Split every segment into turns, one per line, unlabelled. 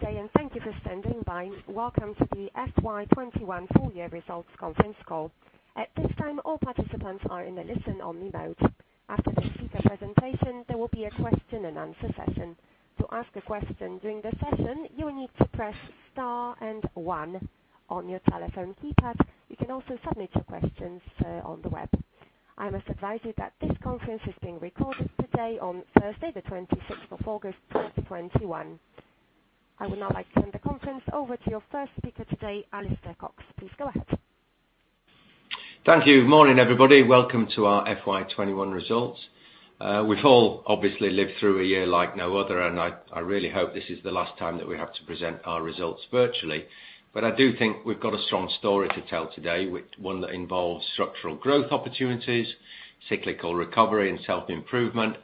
Good day, and thank you for standing by. Welcome to the FY21 full-year results conference call. At this time, all participants are in a listen-only mode. After the speaker presentation, there will be a question-and-answer session. To ask a question during the session, you will need to press star and one on your telephone keypad. You can also submit your questions on the web. I must advise you that this conference is being recorded today on Thursday, the 26th of August 2021. I would now like to hand the conference over to your first speaker today, Alistair Cox. Please go ahead.
Thank you. Morning, everybody. Welcome to our FY21 results. We've all obviously lived through a year like no other, and I really hope this is the last time that we have to present our results virtually. I do think we've got a strong story to tell today, one that involves structural growth opportunities, cyclical recovery, and self-improvement.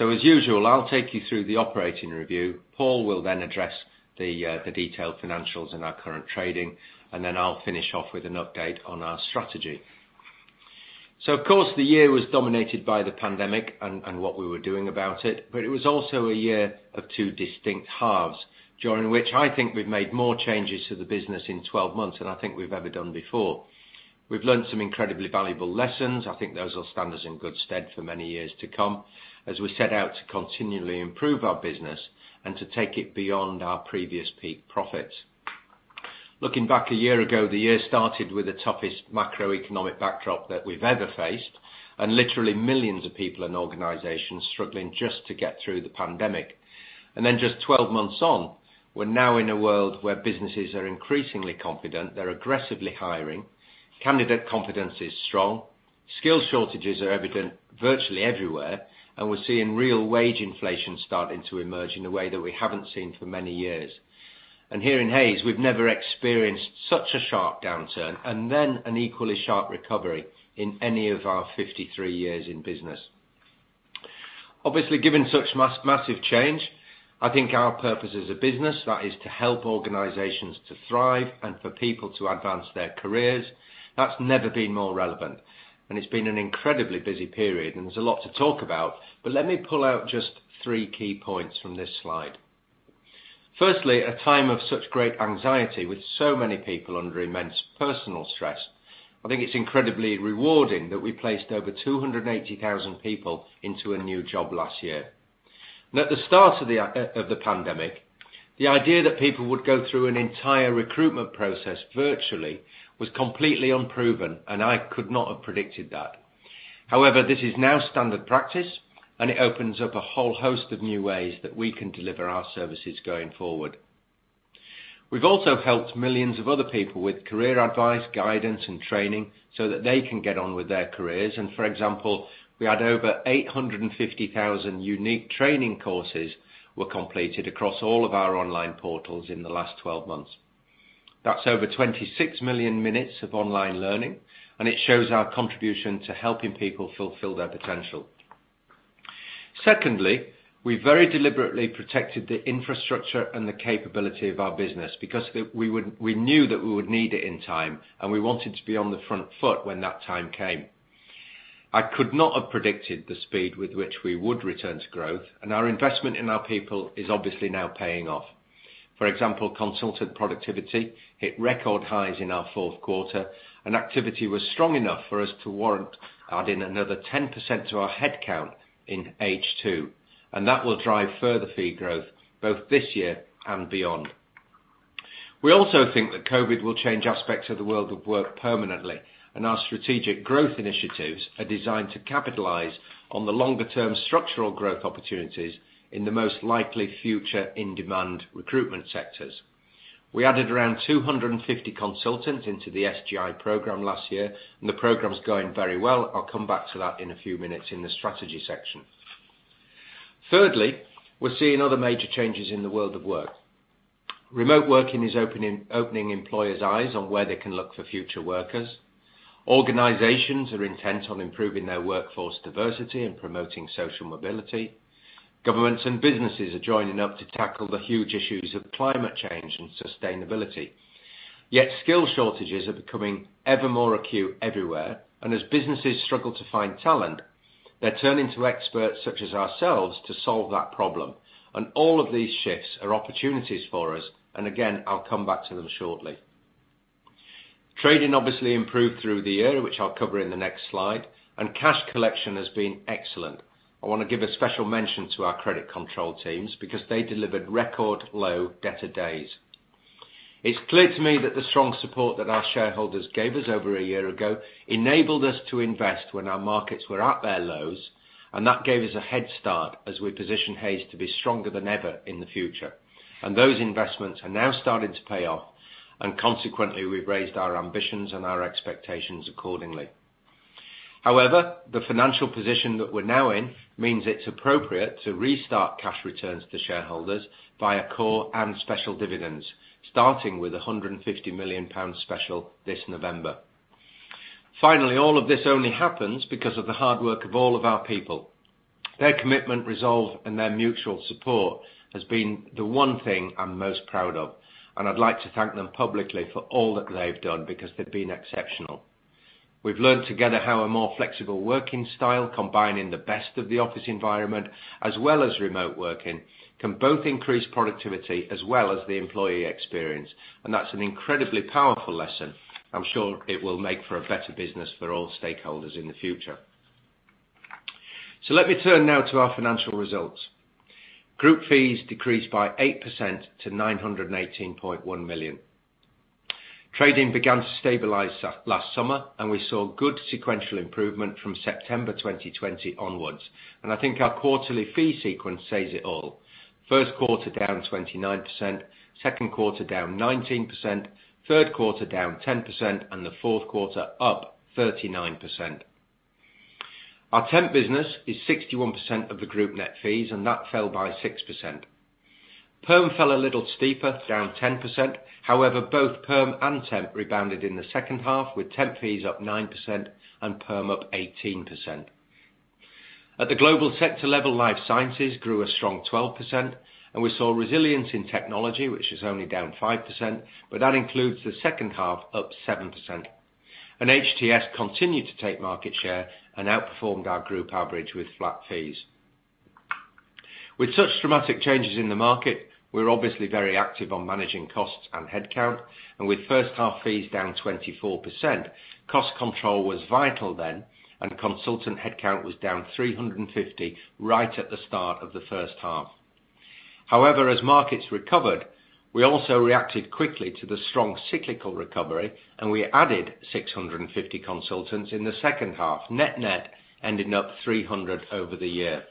As usual, I'll take you through the operating review. Paul will then address the detailed financials and our current trading, and then I'll finish off with an update on our strategy. Of course, the year was dominated by the pandemic and what we were doing about it, but it was also a year of two distinct halves, during which I think we've made more changes to the business in 12 months than I think we've ever done before. We've learned some incredibly valuable lessons. I think those will stand us in good stead for many years to come as we set out to continually improve our business and to take it beyond our previous peak profits. Looking back one year ago, the year started with the toughest macroeconomic backdrop that we've ever faced, and literally millions of people and organizations struggling just to get through the pandemic. Just 12 months on, we're now in a world where businesses are increasingly confident. They're aggressively hiring. Candidate confidence is strong. Skill shortages are evident virtually everywhere, and we're seeing real wage inflation starting to emerge in a way that we haven't seen for many years. Here in Hays, we've never experienced such a sharp downturn and then an equally sharp recovery in any of our 53 years in business. Obviously, given such massive change, I think our purpose as a business, that is to help organizations to thrive and for people to advance their careers, that's never been more relevant, and it's been an incredibly busy period, and there's a lot to talk about. Let me pull out just three key points from this slide. Firstly, a time of such great anxiety with so many people under immense personal stress. I think it's incredibly rewarding that we placed over 280,000 people into a new job last year. At the start of the pandemic, the idea that people would go through an entire recruitment process virtually was completely unproven, and I could not have predicted that. However, this is now standard practice, and it opens up a whole host of new ways that we can deliver our services going forward. We've also helped millions of other people with career advice, guidance, and training so that they can get on with their careers. For example, we had over 850,000 unique training courses were completed across all of our online portals in the last 12 months. That's over 26 million minutes of online learning, and it shows our contribution to helping people fulfill their potential. Secondly, we very deliberately protected the infrastructure and the capability of our business because we knew that we would need it in time, and we wanted to be on the front foot when that time came. I could not have predicted the speed with which we would return to growth, and our investment in our people is obviously now paying off. For example, consultant productivity hit record highs in our fourth quarter, and activity was strong enough for us to warrant adding another 10% to our head count in H2. That will drive further fee growth both this year and beyond. We also think that COVID will change aspects of the world of work permanently. Our Strategic Growth Initiatives are designed to capitalize on the longer-term structural growth opportunities in the most likely future in-demand recruitment sectors. We added around 250 consultants into the SGI program last year. The program is going very well. I'll come back to that in a few minutes in the strategy section. Thirdly, we're seeing other major changes in the world of work. Remote working is opening employers' eyes on where they can look for future workers. Organizations are intent on improving their workforce diversity and promoting social mobility. Governments and businesses are joining up to tackle the huge issues of climate change and sustainability. Yet skill shortages are becoming ever more acute everywhere. As businesses struggle to find talent, they're turning to experts such as ourselves to solve that problem. All of these shifts are opportunities for us. Again, I'll come back to them shortly. Trading obviously improved through the year, which I'll cover in the next slide. Cash collection has been excellent. I want to give a special mention to our credit control teams because they delivered record low debtor days. It's clear to me that the strong support that our shareholders gave us over one year ago enabled us to invest when our markets were at their lows. That gave us a head start as we position Hays to be stronger than ever in the future. Those investments are now starting to pay off, and consequently, we've raised our ambitions and our expectations accordingly. However, the financial position that we're now in means it's appropriate to restart cash returns to shareholders via core and special dividends, starting with 150 million pounds special this November. Finally, all of this only happens because of the hard work of all of our people. Their commitment, resolve, and their mutual support has been the one thing I'm most proud of, and I'd like to thank them publicly for all that they've done because they've been exceptional. We've learned together how a more flexible working style combining the best of the office environment, as well as remote working, can both increase productivity as well as the employee experience. That's an incredibly powerful lesson. I'm sure it will make for a better business for all stakeholders in the future. Let me turn now to our financial results. Group fees decreased by 8% to 918.1 million. Trading began to stabilize last summer, and we saw good sequential improvement from September 2020 onwards. I think our quarterly fee sequence says it all. First quarter down 29%, second quarter down 19%, third quarter down 10%, and the fourth quarter up 39%. Our temp business is 61% of the group net fees, and that fell by 6%. Perm fell a little steeper, down 10%. However, both perm and temp rebounded in the second half, with temp fees up 9% and perm up 18%. At the global sector level, life sciences grew a strong 12%, and we saw resilience in technology, which is only down 5%, but that includes the second half up 7%. HTS continued to take market share and outperformed our group average with flat fees. With such dramatic changes in the market, we're obviously very active on managing costs and headcount. With first half fees down 24%, cost control was vital then. Consultant headcount was down 350 right at the start of the first half. However, as markets recovered, we also reacted quickly to the strong cyclical recovery. We added 650 consultants in the second half, net ending up 300 over the year.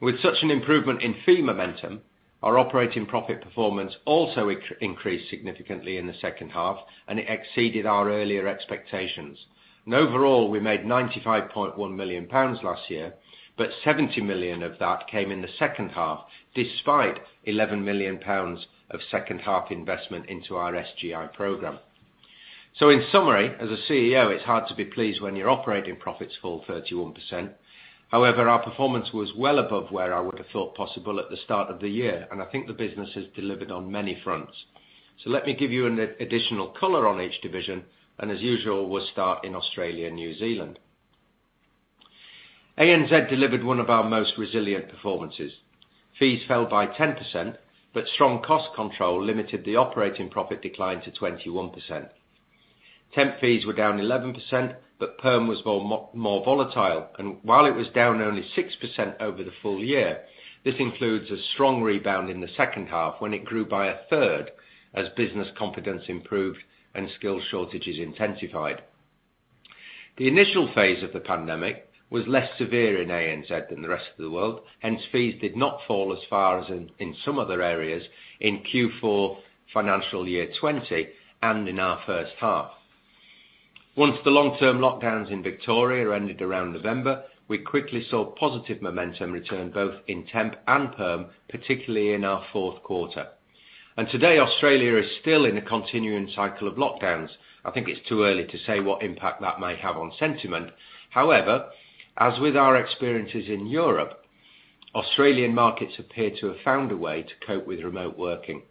With such an improvement in fee momentum, our operating profit performance also increased significantly in the second half. It exceeded our earlier expectations. Overall, we made 95.1 million pounds last year. 70 million of that came in the second half, despite 11 million pounds of second half investment into our SGI program. In summary, as a CEO, it's hard to be pleased when your operating profits fall 31%. However, our performance was well above where I would have thought possible at the start of the year, and I think the business has delivered on many fronts. Let me give you additional color on each division, and as usual, we'll start in Australia and New Zealand. ANZ delivered one of our most resilient performances. Fees fell by 10%, but strong cost control limited the operating profit decline to 21%. Temp fees were down 11%, but perm was more volatile, and while it was down only 6% over the full year, this includes a strong rebound in the second half when it grew by a third as business confidence improved and skill shortages intensified. The initial phase of the pandemic was less severe in ANZ than the rest of the world, hence fees did not fall as far as in some other areas in Q4 financial year 2020 and in our first half. Once the long-term lockdowns in Victoria ended around November, we quickly saw positive momentum return both in temp and perm, particularly in our fourth quarter. Today, Australia is still in a continuing cycle of lockdowns. I think it's too early to say what impact that may have on sentiment. However, as with our experiences in Europe, Australian markets appear to have found a way to cope with remote working.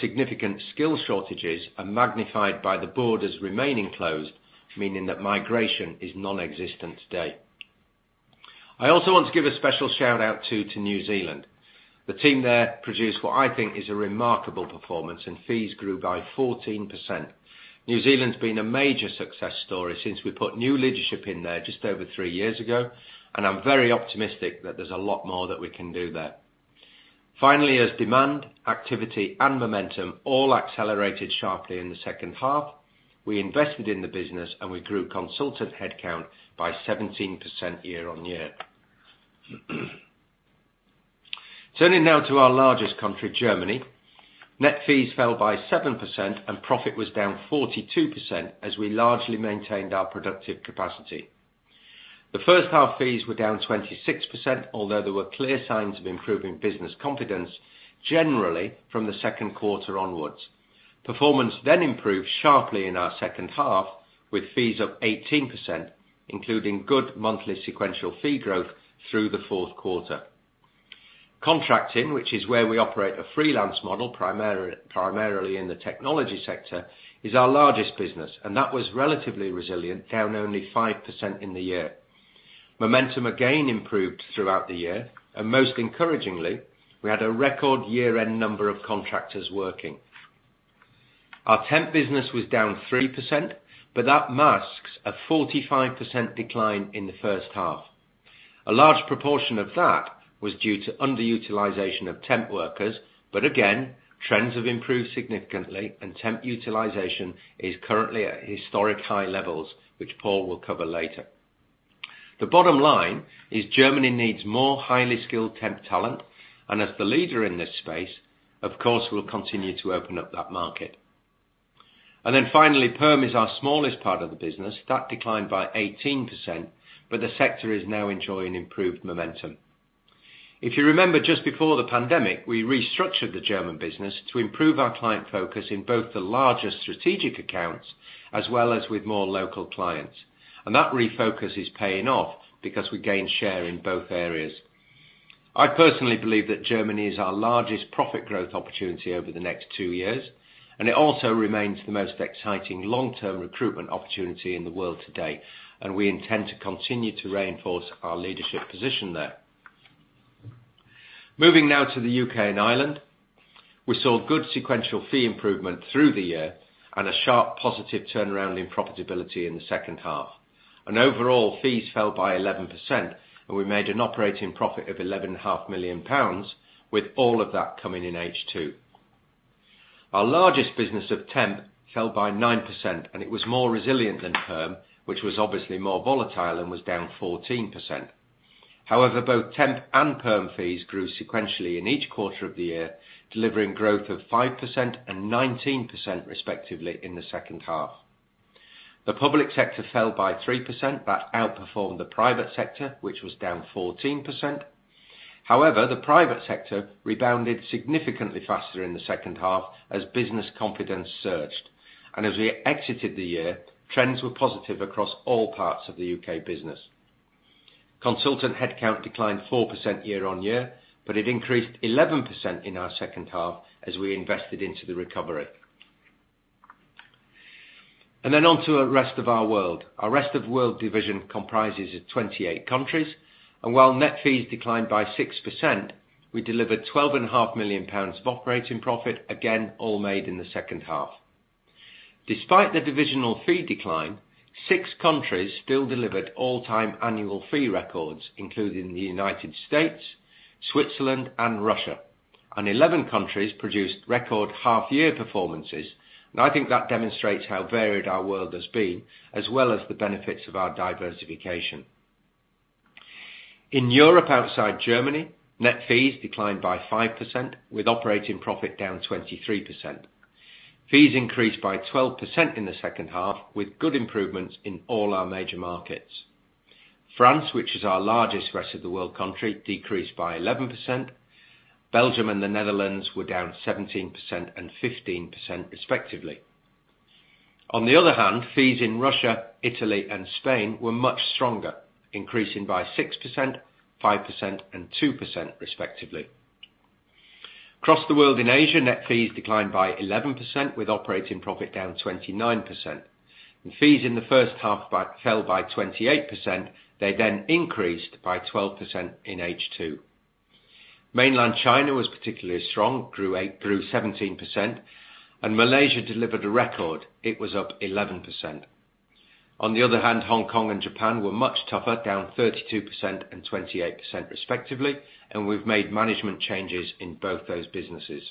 Significant skill shortages are magnified by the borders remaining closed, meaning that migration is nonexistent today. I also want to give a special shout-out to New Zealand. The team there produced what I think is a remarkable performance, and fees grew by 14%. New Zealand's been a major success story since we put new leadership in there just over three years ago, and I'm very optimistic that there's a lot more that we can do there. Finally, as demand, activity, and momentum all accelerated sharply in the second half, we invested in the business, and we grew consultant headcount by 17% year-on-year. Turning now to our largest country, Germany, net fees fell by 7% and profit was down 42% as we largely maintained our productive capacity. The first half fees were down 26%, although there were clear signs of improving business confidence, generally from the second quarter onwards. Performance improved sharply in our second half with fees up 18%, including good monthly sequential fee growth through the fourth quarter. Contracting, which is where we operate a freelance model primarily in the technology sector, is our largest business, and that was relatively resilient, down only 5% in the year. Momentum again improved throughout the year, and most encouragingly, we had a record year-end number of contractors working. Our temp business was down 3%, but that masks a 45% decline in the first half. A large proportion of that was due to underutilization of temp workers. Again, trends have improved significantly and temp utilization is currently at historic high levels, which Paul will cover later. The bottom line is Germany needs more highly skilled temp talent, and as the leader in this space, of course, we'll continue to open up that market. Finally, perm is our smallest part of the business. That declined by 18%, but the sector is now enjoying improved momentum. If you remember, just before the pandemic, we restructured the German business to improve our client focus in both the larger strategic accounts as well as with more local clients. That refocus is paying off because we gained share in both areas. I personally believe that Germany is our largest profit growth opportunity over the next two years. It also remains the most exciting long-term recruitment opportunity in the world today. We intend to continue to reinforce our leadership position there. Moving now to the U.K. and Ireland. We saw good sequential fee improvement through the year and a sharp positive turnaround in profitability in the second half. Overall, fees fell by 11%. We made an operating profit of 11.5 million pounds, with all of that coming in H2. Our largest business of temp fell by 9%, and it was more resilient than perm, which was obviously more volatile and was down 14%. Both temp and perm fees grew sequentially in each quarter of the year, delivering growth of 5% and 19% respectively in the second half. The public sector fell by 3%. That outperformed the private sector, which was down 14%. The private sector rebounded significantly faster in the second half as business confidence surged. As we exited the year, trends were positive across all parts of the U.K. business. Consultant headcount declined 4% year on year, but it increased 11% in our second half as we invested into the recovery. On to the rest of our world. Our rest of world division comprises of 28 countries. While net fees declined by 6%, we delivered 12.5 million pounds of operating profit, again, all made in the second half. Despite the divisional fee decline, six countries still delivered all-time annual fee records, including the U.S., Switzerland, and Russia. 11 countries produced record half-year performances, and I think that demonstrates how varied our world has been, as well as the benefits of our diversification. In Europe outside Germany, net fees declined by 5%, with operating profit down 23%. Fees increased by 12% in the second half, with good improvements in all our major markets. France, which is our largest rest of the world country, decreased by 11%. Belgium and the Netherlands were down 17% and 15% respectively. On the other hand, fees in Russia, Italy, and Spain were much stronger, increasing by 6%, 5%, and 2%, respectively. Across the world in Asia, net fees declined by 11%, with operating profit down 29%. Fees in the first half fell by 28%. They then increased by 12% in H2. Mainland China was particularly strong, grew 17%, and Malaysia delivered a record. It was up 11%. On the other hand, Hong Kong and Japan were much tougher, down 32% and 28% respectively, and we've made management changes in both those businesses.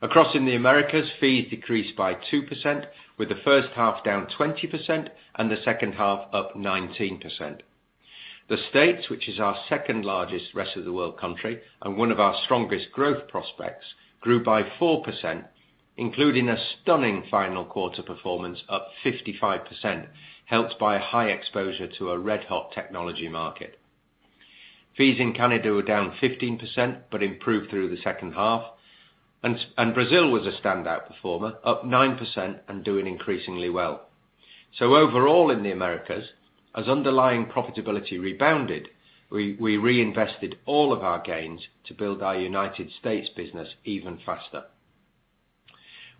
Across in the Americas, fees decreased by 2%, with the first half down 20% and the second half up 19%. The States, which is our second largest rest of the world country and one of our strongest growth prospects, grew by 4%, including a stunning final quarter performance up 55%, helped by a high exposure to a red-hot technology market. Fees in Canada were down 15% but improved through the second half. Brazil was a standout performer, up 9% and doing increasingly well. Overall in the Americas, as underlying profitability rebounded, we reinvested all of our gains to build our U.S. business even faster.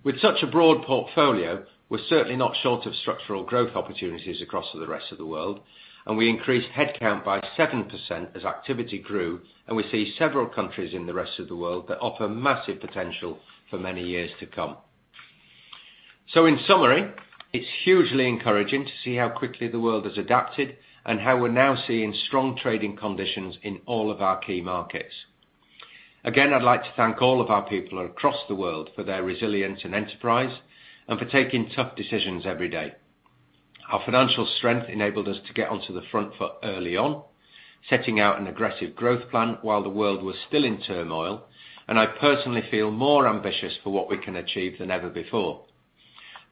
With such a broad portfolio, we're certainly not short of structural growth opportunities across the rest of the world, and we increased headcount by 7% as activity grew, and we see several countries in the rest of the world that offer massive potential for many years to come. In summary, it's hugely encouraging to see how quickly the world has adapted and how we're now seeing strong trading conditions in all of our key markets. Again, I'd like to thank all of our people across the world for their resilience and enterprise and for taking tough decisions every day. Our financial strength enabled us to get onto the front foot early on, setting out an aggressive growth plan while the world was still in turmoil. I personally feel more ambitious for what we can achieve than ever before.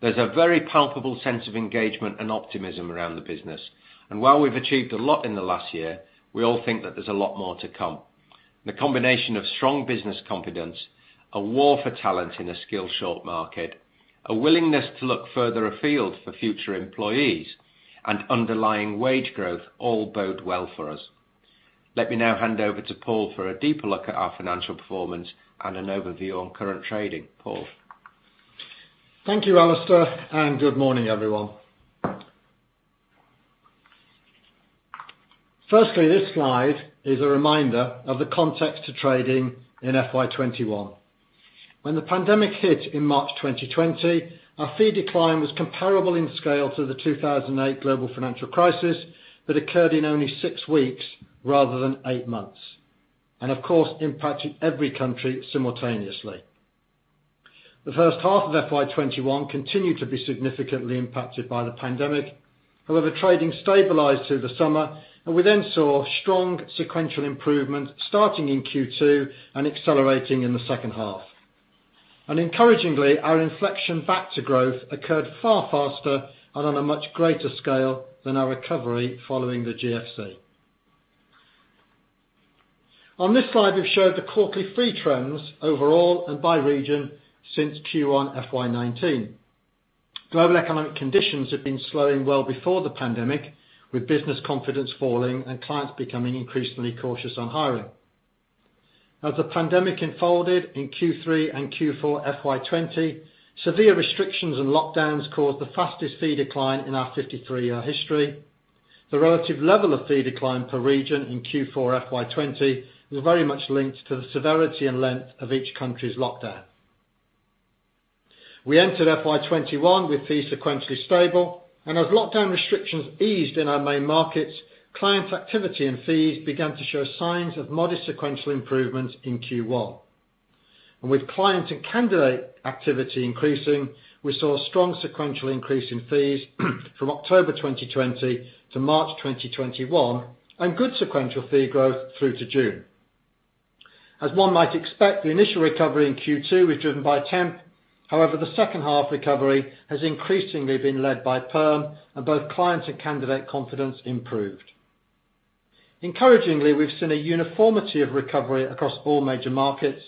There's a very palpable sense of engagement and optimism around the business. While we've achieved a lot in the last year, we all think that there's a lot more to come. The combination of strong business confidence, a war for talent in a skill-short market, a willingness to look further afield for future employees, and underlying wage growth all bode well for us. Let me now hand over to Paul for a deeper look at our financial performance and an overview on current trading. Paul?
Thank you, Alistair, and good morning, everyone. Firstly, this slide is a reminder of the context to trading in FY 2021. When the pandemic hit in March 2020, our fee decline was comparable in scale to the 2008 global financial crisis that occurred in only six weeks rather than eight months, and of course, impacted every country simultaneously. The first half of FY 2021 continued to be significantly impacted by the pandemic. However, trading stabilized through the summer, and we then saw strong sequential improvement starting in Q2 and accelerating in the second half. Encouragingly, our inflection back to growth occurred far faster and on a much greater scale than our recovery following the GFC. On this slide, we've showed the quarterly fee trends overall and by region since Q1 FY 2019. Global economic conditions have been slowing well before the pandemic, with business confidence falling and clients becoming increasingly cautious on hiring. As the pandemic unfolded in Q3 and Q4 FY20, severe restrictions and lockdowns caused the fastest fee decline in our 53-year history. The relative level of fee decline per region in Q4 FY20 was very much linked to the severity and length of each country's lockdown. We entered FY21 with fees sequentially stable, and as lockdown restrictions eased in our main markets, client activity and fees began to show signs of modest sequential improvement in Q1. With client and candidate activity increasing, we saw strong sequential increase in fees from October 2020 to March 2021, and good sequential fee growth through to June. As one might expect, the initial recovery in Q2 was driven by temp. However, the second half recovery has increasingly been led by perm, and both clients and candidate confidence improved. Encouragingly, we've seen a uniformity of recovery across all major markets,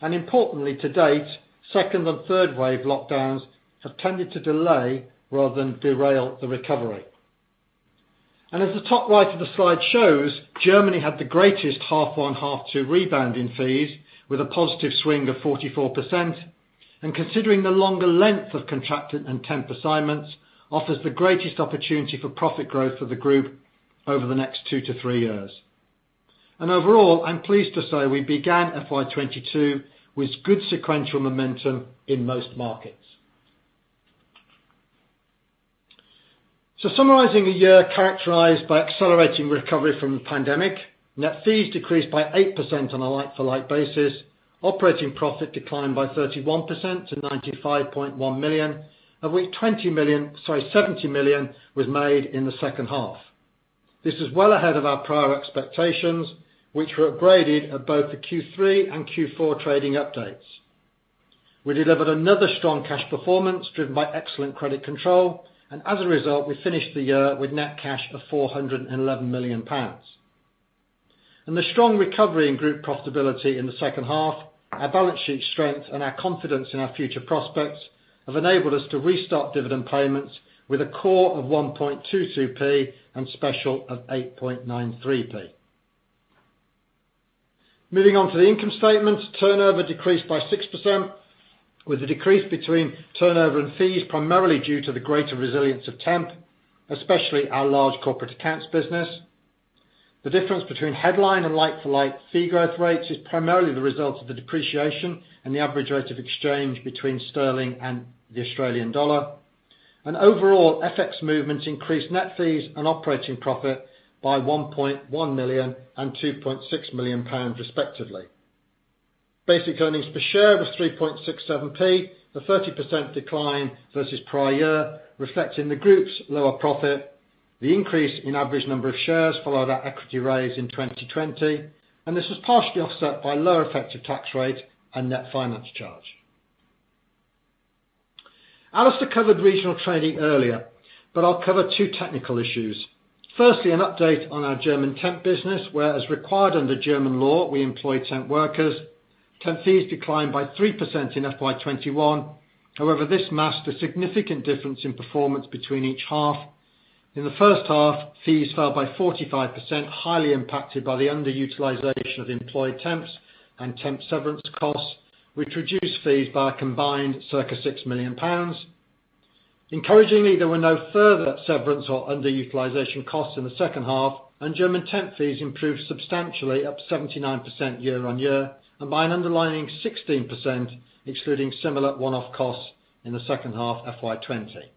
importantly to date, second and third-wave lockdowns have tended to delay rather than derail the recovery. As the top right of the slide shows, Germany had the greatest H1, H2 rebound in fees, with a positive swing of 44%, considering the longer length of contracted and temp assignments, offers the greatest opportunity for profit growth for the group over the next two to three years. Overall, I'm pleased to say we began FY22 with good sequential momentum in most markets. Summarizing a year characterized by accelerating recovery from the pandemic, net fees decreased by 8% on a like-for-like basis. Operating profit declined by 31% to 95.1 million, of which 20 million, sorry, 70 million was made in the second half. This is well ahead of our prior expectations, which were upgraded at both the Q3 and Q4 trading updates. We delivered another strong cash performance driven by excellent credit control, and as a result, we finished the year with net cash of 411 million pounds. The strong recovery in group profitability in the second half, our balance sheet strength, and our confidence in our future prospects have enabled us to restart dividend payments with a core of 0.0122 and special of 0.0893. Moving on to the income statement, turnover decreased by 6%, with the decrease between turnover and fees primarily due to the greater resilience of temp, especially our large corporate accounts business. The difference between headline and like-for-like fee growth rates is primarily the result of the depreciation and the average rate of exchange between sterling and the Australian dollar. Overall, FX movements increased net fees and operating profit by 1.1 million and 2.6 million pounds respectively. Basic earnings per share was 0.0367, a 30% decline versus prior year, reflecting the group's lower profit, the increase in average number of shares followed our equity raise in 2020, and this was partially offset by lower effective tax rate and net finance charge. Alistair covered regional trading earlier, but I'll cover two technical issues. Firstly, an update on our German temp business, where as required under German law, we employ temp workers. Temp fees declined by 3% in FY21. However, this masked a significant difference in performance between each half. In the first half, fees fell by 45%, highly impacted by the underutilization of employed temps and temp severance costs, which reduced fees by a combined circa 6 million pounds. Encouragingly, there were no further severance or underutilization costs in the second half. German temp fees improved substantially, up 79% year-on-year, and by an underlying 16% excluding similar one-off costs in the second half FY 2020.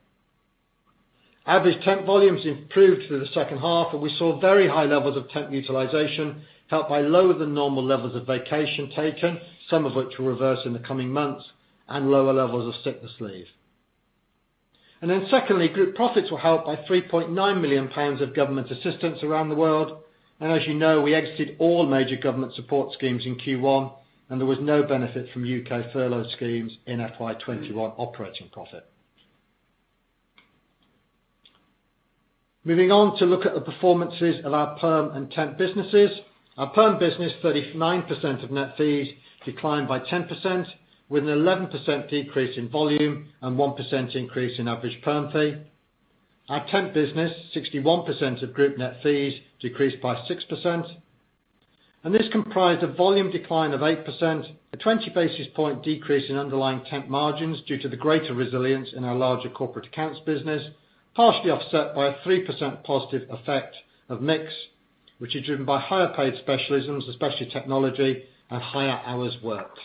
Average temp volumes improved through the second half. We saw very high levels of temp utilization helped by lower than normal levels of vacation taken, some of which will reverse in the coming months, and lower levels of sickness leave. Secondly, group profits were helped by 3.9 million pounds of government assistance around the world. As you know, we exited all major government support schemes in Q1. There was no benefit from U.K. furlough schemes in FY 2021 operating profit. Moving on to look at the performances of our perm and temp businesses. Our perm business, 39% of net fees declined by 10%, with an 11% decrease in volume and 1% increase in average perm fee. Our temp business, 61% of group net fees decreased by 6%. This comprised a volume decline of 8%, a 20 basis point decrease in underlying temp margins due to the greater resilience in our larger corporate accounts business, partially offset by a 3% positive effect of mix, which is driven by higher-paid specialisms, especially technology and higher hours worked.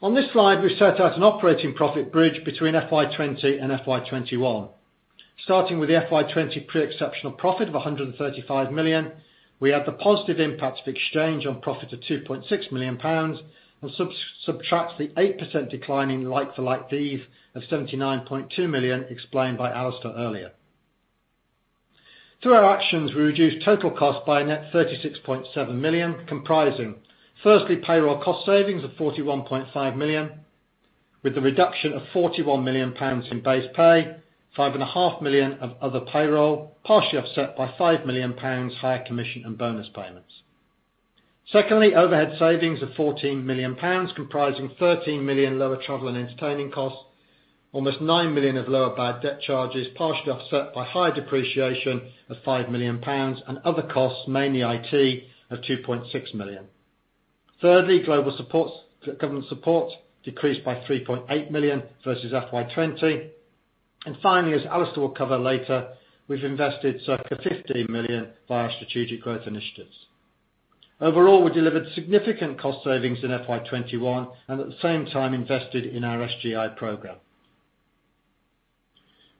On this slide, we've set out an operating profit bridge between FY 2020 and FY 2021. Starting with the FY 2020 pre-exceptional profit of 135 million, we add the positive impact of exchange on profit of 2.6 million pounds and subtract the 8% decline in like-for-like fees of 79.2 million explained by Alistair earlier. Through our actions, we reduced total cost by a net 36.7 million, comprising firstly, payroll cost savings of 41.5 million, with the reduction of 41 million pounds in base pay, five and a half million of other payroll, partially offset by 5 million pounds higher commission and bonus payments. Secondly, overhead savings of 14 million pounds, comprising 13 million lower travel and entertaining costs, almost 9 million of lower bad debt charges, partially offset by higher depreciation of 5 million pounds and other costs, mainly IT, of 2.6 million. Thirdly, global government support decreased by 3.8 million versus FY 2020. Finally, as Alistair will cover later, we've invested circa 15 million via our strategic growth initiatives. Overall, we delivered significant cost savings in FY 2021, and at the same time invested in our SGI program.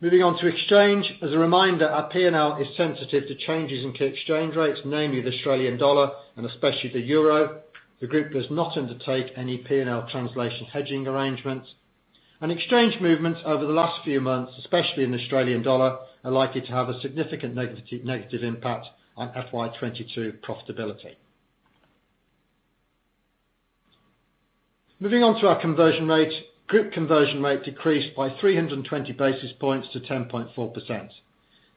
Moving on to exchange. As a reminder, our P&L is sensitive to changes in key exchange rates, namely the Australian dollar and especially the euro. Exchange movements over the last few months, especially in the Australian dollar, are likely to have a significant negative impact on FY22 profitability. Moving on to our conversion rate. Group conversion rate decreased by 320 basis points to 10.4%.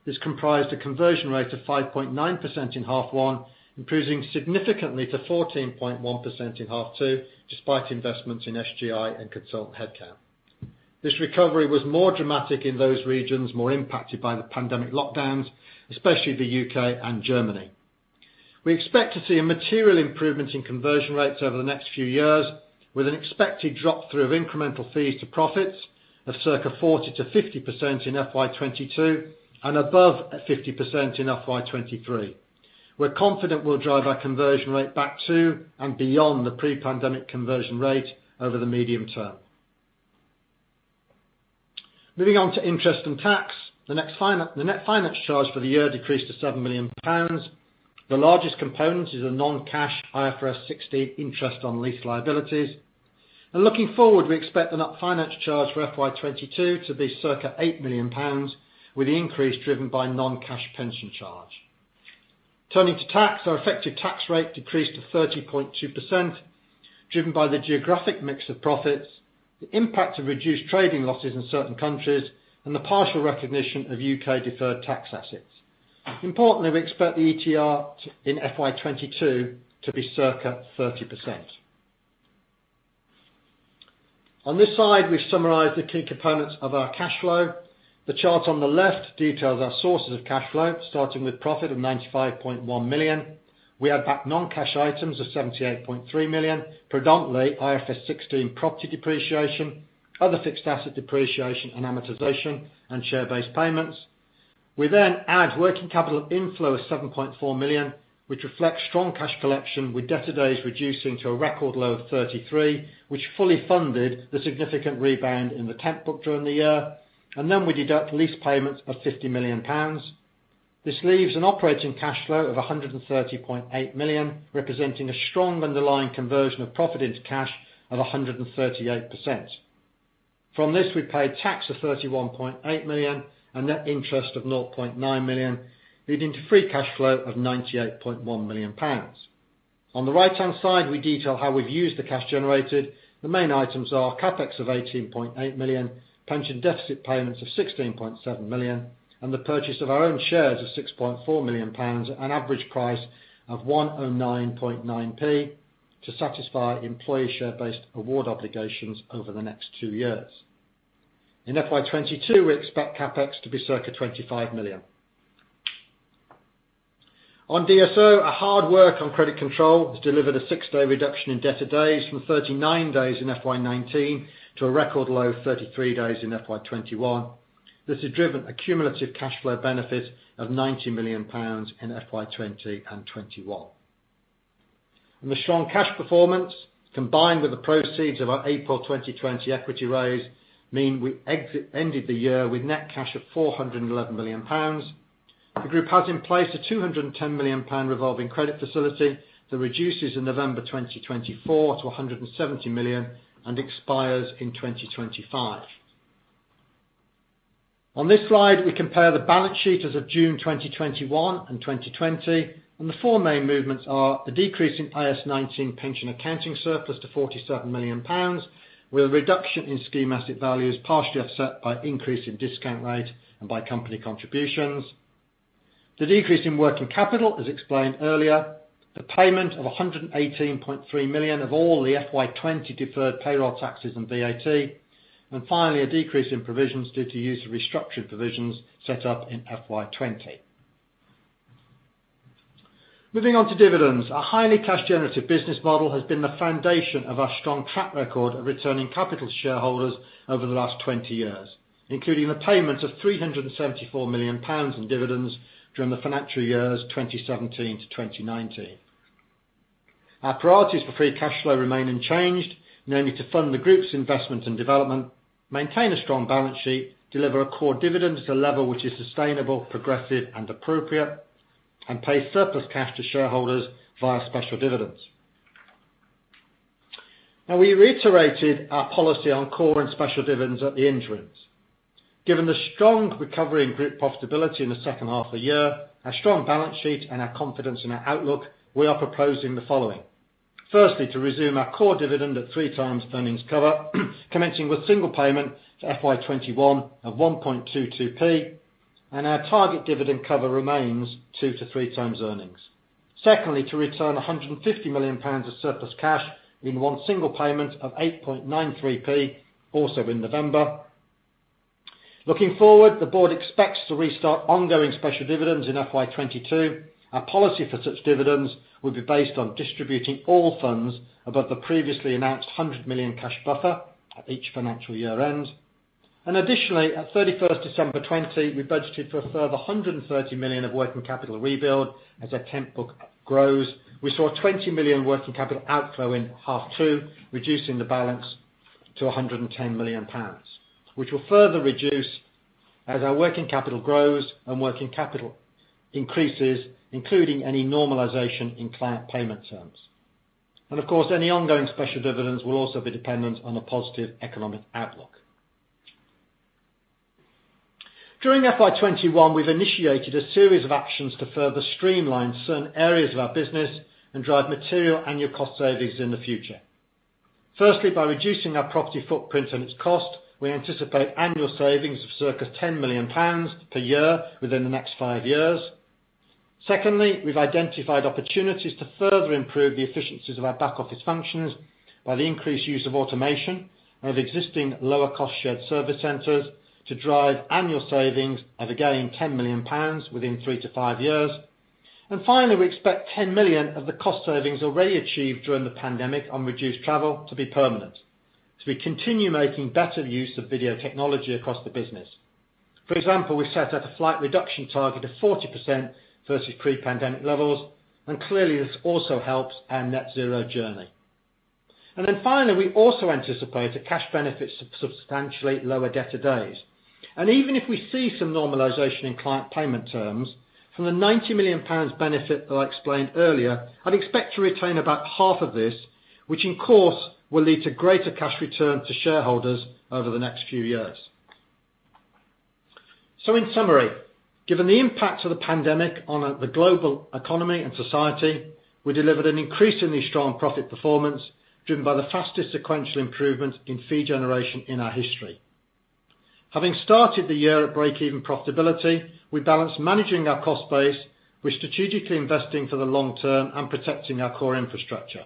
This comprised a conversion rate of 5.9% in half one, improving significantly to 14.1% in half two, despite investments in SGI and consultant headcount. This recovery was more dramatic in those regions more impacted by the pandemic lockdowns, especially the U.K. and Germany. We expect to see a material improvement in conversion rates over the next few years, with an expected drop-through of incremental fees to profits of circa 40%-50% in FY22, and above 50% in FY23. We're confident we'll drive our conversion rate back to and beyond the pre-pandemic conversion rate over the medium term. Moving on to interest and tax. The net finance charge for the year decreased to 7 million pounds. The largest component is a non-cash IFRS 16 interest on lease liabilities. Looking forward, we expect the net finance charge for FY22 to be circa 8 million pounds, with the increase driven by non-cash pension charge. Turning to tax, our effective tax rate decreased to 30.2%, driven by the geographic mix of profits, the impact of reduced trading losses in certain countries, and the partial recognition of U.K. deferred tax assets. Importantly, we expect the ETR in FY22 to be circa 30%. On this slide, we've summarized the key components of our cash flow. The chart on the left details our sources of cash flow, starting with profit of 95.1 million. We add back non-cash items of 78.3 million, predominantly IFRS 16 property depreciation, other fixed asset depreciation and amortization, and share-based payments. We then add working capital inflow of 7.4 million, which reflects strong cash collection with debtor days reducing to a record low of 33, which fully funded the significant rebound in the temp book during the year. Then we deduct lease payments of 50 million pounds. This leaves an operating cash flow of 130.8 million, representing a strong underlying conversion of profit into cash of 138%. From this, we paid tax of 31.8 million and net interest of 0.9 million, leading to free cash flow of 98.1 million pounds. On the right-hand side, we detail how we've used the cash generated. The main items are CapEx of 18.8 million, pension deficit payments of 16.7 million, and the purchase of our own shares of 6.4 million pounds at an average price of 1.099 to satisfy employee share-based award obligations over the next two years. In FY 2022, we expect CapEx to be circa 25 million. On DSO, our hard work on credit control has delivered a six-day reduction in debtor days from 39 days in FY 2019 to a record low of 33 days in FY 2021. The strong cash performance, combined with the proceeds of our April 2020 equity raise, mean we ended the year with net cash of 411 million pounds. The group has in place a 210 million pound revolving credit facility that reduces in November 2024 to 170 million and expires in 2025. On this slide, we compare the balance sheet as of June 2021 and 2020. The four main movements are the decrease in IAS 19 pension accounting surplus to 47 million pounds, with a reduction in scheme asset values partially offset by increase in discount rate and by company contributions. The decrease in working capital, as explained earlier. The payment of 118.3 million of all the FY20 deferred payroll taxes and VAT. Finally, a decrease in provisions due to use of restructuring provisions set up in FY20. Moving on to dividends. Our highly cash generative business model has been the foundation of our strong track record of returning capital to shareholders over the last 20 years, including the payment of 374 million pounds in dividends during the financial years 2017 to 2019. Our priorities for free cash flow remain unchanged, namely to fund the group's investment and development, maintain a strong balance sheet, deliver a core dividend at a level which is sustainable, progressive, and appropriate, and pay surplus cash to shareholders via special dividends. Now, we reiterated our policy on core and special dividends at the interims. Given the strong recovery in group profitability in the second half of the year, our strong balance sheet, and our confidence in our outlook, we are proposing the following. Firstly, to resume our core dividend at three times earnings cover, commencing with one single payment to FY21 at 0.0122, and our target dividend cover remains two to three times earnings. Secondly, to return 150 million pounds of surplus cash in one single payment of 0.0893, also in November. Looking forward, the board expects to restart ongoing special dividends in FY22. Our policy for such dividends will be based on distributing all funds above the previously announced 100 million cash buffer at each financial year end. Additionally, at 31st December 2020, we budgeted for a further 130 million of working capital rebuild as our temp book grows. We saw 20 million working capital outflow in half two, reducing the balance to 110 million pounds, which will further reduce as our working capital grows and working capital increases, including any normalization in client payment terms. Of course, any ongoing special dividends will also be dependent on a positive economic outlook. During FY21, we've initiated a series of actions to further streamline certain areas of our business and drive material annual cost savings in the future. Firstly, by reducing our property footprint and its cost, we anticipate annual savings of circa 10 million pounds per year within the next five years. Secondly, we've identified opportunities to further improve the efficiencies of our back office functions by the increased use of automation and of existing lower cost shared service centers to drive annual savings of, again, 10 million pounds within three to five years. Finally, we expect 10 million of the cost savings already achieved during the pandemic on reduced travel to be permanent as we continue making better use of video technology across the business. For example, we set out a flight reduction target of 40% versus pre-pandemic levels, and clearly this also helps our net zero journey. Finally, we also anticipate the cash benefits to substantially lower debtor days. Even if we see some normalization in client payment terms, from the 90 million pounds benefit that I explained earlier, I'd expect to retain about half of this, which in course will lead to greater cash return to shareholders over the next few years. In summary, given the impact of the pandemic on the global economy and society, we delivered an increasingly strong profit performance, driven by the fastest sequential improvement in fee generation in our history. Having started the year at break-even profitability, we balanced managing our cost base with strategically investing for the long term and protecting our core infrastructure.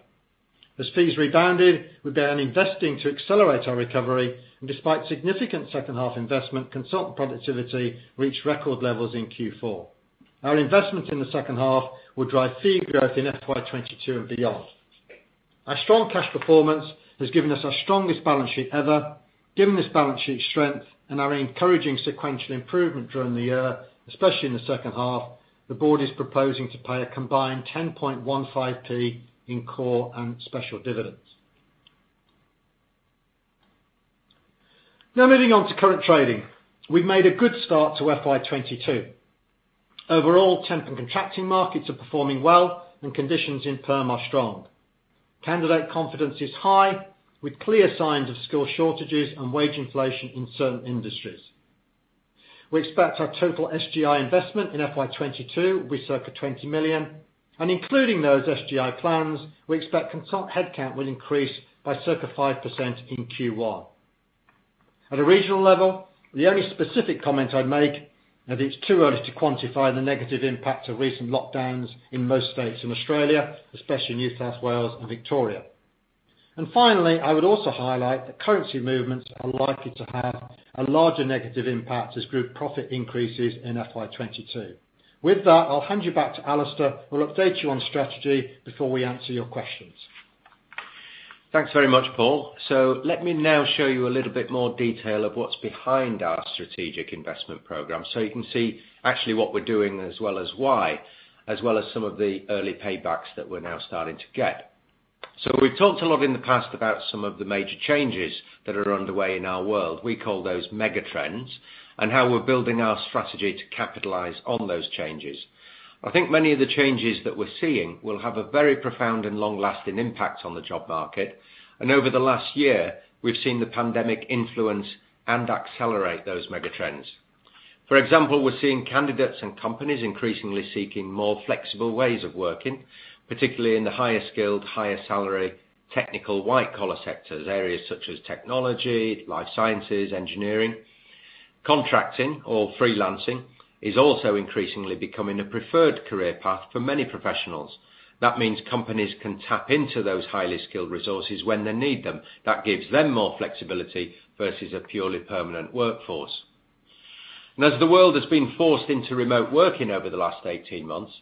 As fees rebounded, we began investing to accelerate our recovery, and despite significant second half investment, consultant productivity reached record levels in Q4. Our investment in the second half will drive fee growth in FY 2022 and beyond. Our strong cash performance has given us our strongest balance sheet ever. Given this balance sheet strength and our encouraging sequential improvement during the year, especially in the second half, the board is proposing to pay a combined 0.1015 in core and special dividends. Moving on to current trading. We've made a good start to FY22. Overall, temp and contracting markets are performing well, and conditions in perm are strong. Candidate confidence is high, with clear signs of skill shortages and wage inflation in certain industries. We expect our total SGI investment in FY22 will be circa 20 million, and including those SGI plans, we expect consultant headcount will increase by circa 5% in Q1. At a regional level, the only specific comment I'd make is that it's too early to quantify the negative impact of recent lockdowns in most states in Australia, especially New South Wales and Victoria. Finally, I would also highlight that currency movements are likely to have a larger negative impact as group profit increases in FY 2022. With that, I'll hand you back to Alistair, who will update you on strategy before we answer your questions.
Thanks very much, Paul. Let me now show you a little bit more detail of what's behind our strategic investment program so you can see actually what we're doing as well as why, as well as some of the early paybacks that we're now starting to get. We've talked a lot in the past about some of the major changes that are underway in our world, we call those mega trends, and how we're building our strategy to capitalize on those changes. I think many of the changes that we're seeing will have a very profound and long-lasting impact on the job market, and over the last year, we've seen the pandemic influence and accelerate those mega trends. For example, we're seeing candidates and companies increasingly seeking more flexible ways of working, particularly in the higher skilled, higher salary, technical white-collar sectors, areas such as technology, life sciences, engineering. Contracting or freelancing is also increasingly becoming a preferred career path for many professionals. That means companies can tap into those highly skilled resources when they need them. That gives them more flexibility versus a purely permanent workforce. As the world has been forced into remote working over the last 18 months,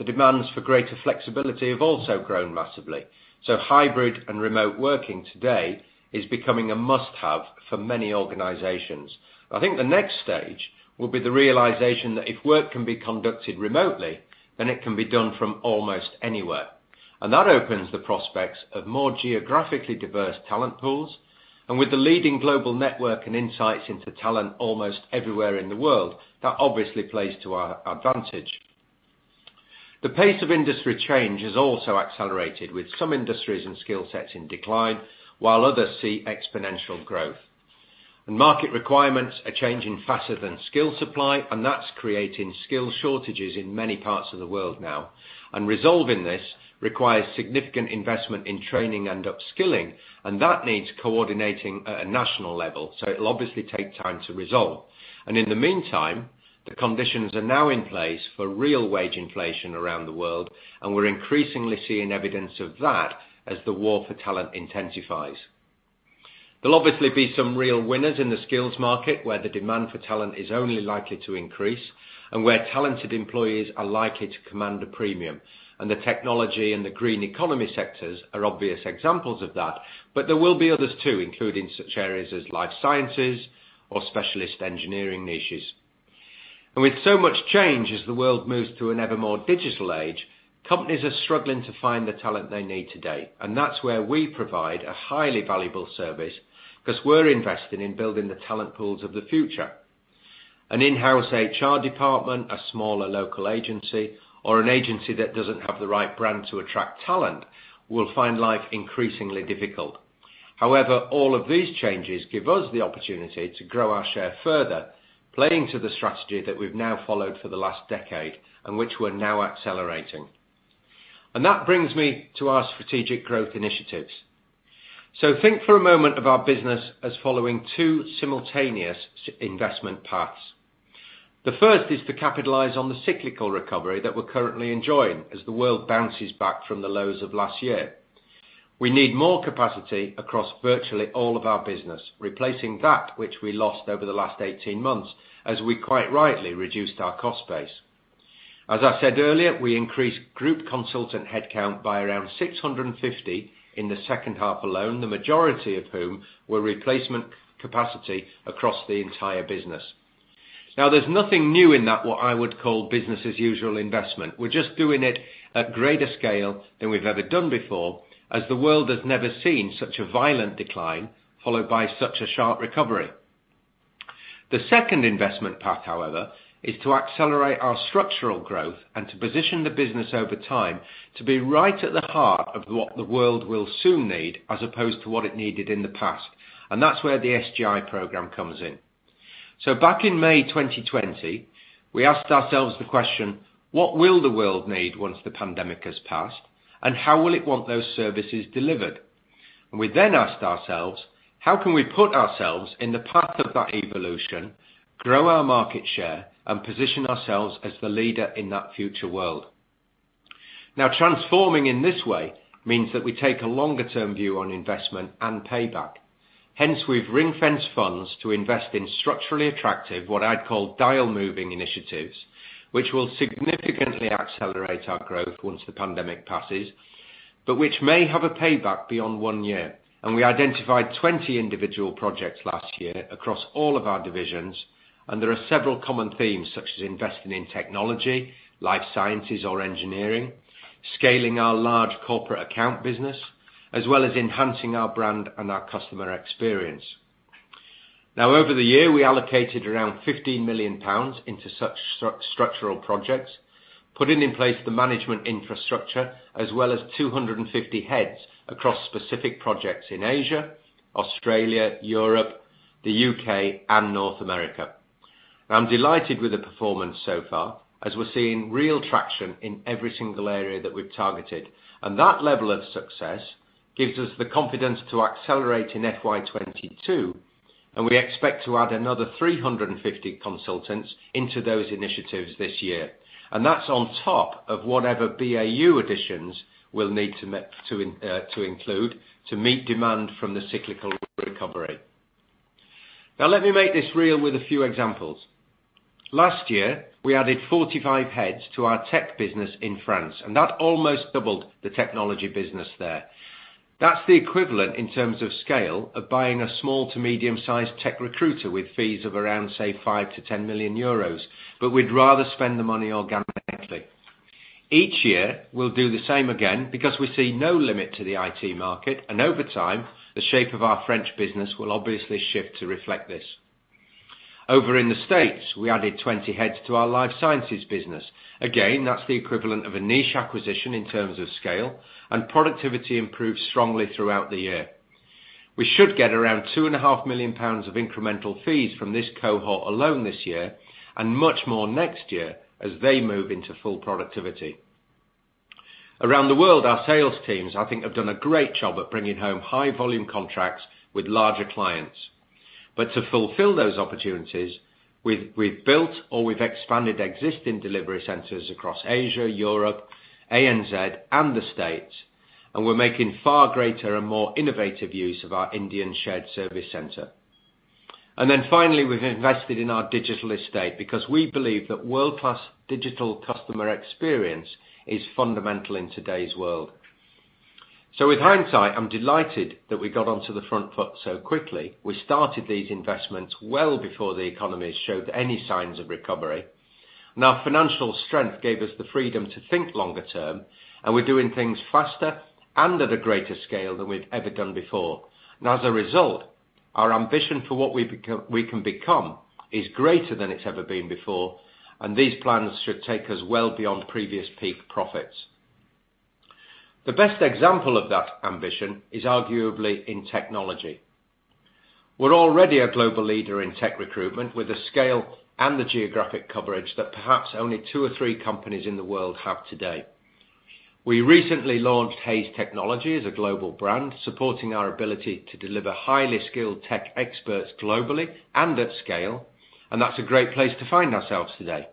the demands for greater flexibility have also grown massively. Hybrid and remote working today is becoming a must-have for many organizations. I think the next stage will be the realization that if work can be conducted remotely, then it can be done from almost anywhere. That opens the prospects of more geographically diverse talent pools, and with the leading global network and insights into talent almost everywhere in the world, that obviously plays to our advantage. The pace of industry change has also accelerated, with some industries and skill sets in decline, while others see exponential growth. Market requirements are changing faster than skill supply, and that's creating skill shortages in many parts of the world now. Resolving this requires significant investment in training and upskilling, and that needs coordinating at a national level, so it'll obviously take time to resolve. In the meantime, the conditions are now in place for real wage inflation around the world, and we're increasingly seeing evidence of that as the war for talent intensifies. There'll obviously be some real winners in the skills market, where the demand for talent is only likely to increase and where talented employees are likely to command a premium. The technology and the green economy sectors are obvious examples of that. There will be others too, including such areas as life sciences or specialist engineering niches. With so much change as the world moves to an ever more digital age, companies are struggling to find the talent they need today. That's where we provide a highly valuable service, because we're investing in building the talent pools of the future. An in-house HR department, a smaller local agency, or an agency that doesn't have the right brand to attract talent will find life increasingly difficult. However, all of these changes give us the opportunity to grow our share further, playing to the strategy that we've now followed for the last decade and which we're now accelerating. That brings me to our strategic growth initiatives. Think for a moment of our business as following two simultaneous investment paths. The first is to capitalize on the cyclical recovery that we're currently enjoying as the world bounces back from the lows of last year. We need more capacity across virtually all of our business, replacing that which we lost over the last 18 months as we quite rightly reduced our cost base. As I said earlier, we increased group consultant headcount by around 650 in the second half alone, the majority of whom were replacement capacity across the entire business. There's nothing new in that, what I would call business as usual investment. We're just doing it at greater scale than we've ever done before as the world has never seen such a violent decline followed by such a sharp recovery. The second investment path, however, is to accelerate our structural growth and to position the business over time to be right at the heart of what the world will soon need as opposed to what it needed in the past. That's where the SGI Program comes in. Back in May 2020, we asked ourselves the question: What will the world need once the pandemic has passed and how will it want those services delivered? We then asked ourselves: How can we put ourselves in the path of that evolution, grow our market share, and position ourselves as the leader in that future world? Now, transforming in this way means that we take a longer-term view on investment and payback. Hence, we've ring-fenced funds to invest in structurally attractive, what I'd call dial-moving initiatives, which will significantly accelerate our growth once the pandemic passes, but which may have a payback beyond one year. We identified 20 individual projects last year across all of our divisions, and there are several common themes such as investing in technology, life sciences or engineering, scaling our large corporate account business, as well as enhancing our brand and our customer experience. Now, over the year, we allocated around 15 million pounds into such structural projects, putting in place the management infrastructure as well as 250 heads across specific projects in Asia, Australia, Europe, the U.K. and North America. I'm delighted with the performance so far as we're seeing real traction in every single area that we've targeted. That level of success gives us the confidence to accelerate in FY22, and we expect to add another 350 consultants into those initiatives this year. That's on top of whatever BAU additions we'll need to include to meet demand from the cyclical recovery. Let me make this real with a few examples. Last year, we added 45 heads to our tech business in France, and that almost doubled the technology business there. That's the equivalent in terms of scale of buying a small to medium-sized tech recruiter with fees of around, say, 5 million-10 million euros, but we'd rather spend the money organically. Each year, we'll do the same again because we see no limit to the IT market and over time, the shape of our French business will obviously shift to reflect this. Over in the States, we added 20 heads to our life sciences business. Again, that's the equivalent of a niche acquisition in terms of scale, and productivity improved strongly throughout the year. We should get around 2.5 million pounds of incremental fees from this cohort alone this year and much more next year as they move into full productivity. Around the world, our sales teams I think have done a great job at bringing home high volume contracts with larger clients. To fulfill those opportunities, we've built or we've expanded existing delivery centers across Asia, Europe, ANZ and the U.S., and we're making far greater and more innovative use of our Indian shared service center. Finally, we've invested in our digital estate because we believe that world-class digital customer experience is fundamental in today's world. With hindsight, I'm delighted that we got onto the front foot so quickly. We started these investments well before the economy showed any signs of recovery. Our financial strength gave us the freedom to think longer term. We're doing things faster and at a greater scale than we've ever done before. As a result, our ambition for what we can become is greater than it's ever been before. These plans should take us well beyond previous peak profits. The best example of that ambition is arguably in technology. We're already a global leader in tech recruitment with the scale and the geographic coverage that perhaps only two or three companies in the world have today. We recently launched Hays Technology as a global brand, supporting our ability to deliver highly skilled tech experts globally and at scale. That's a great place to find ourselves today.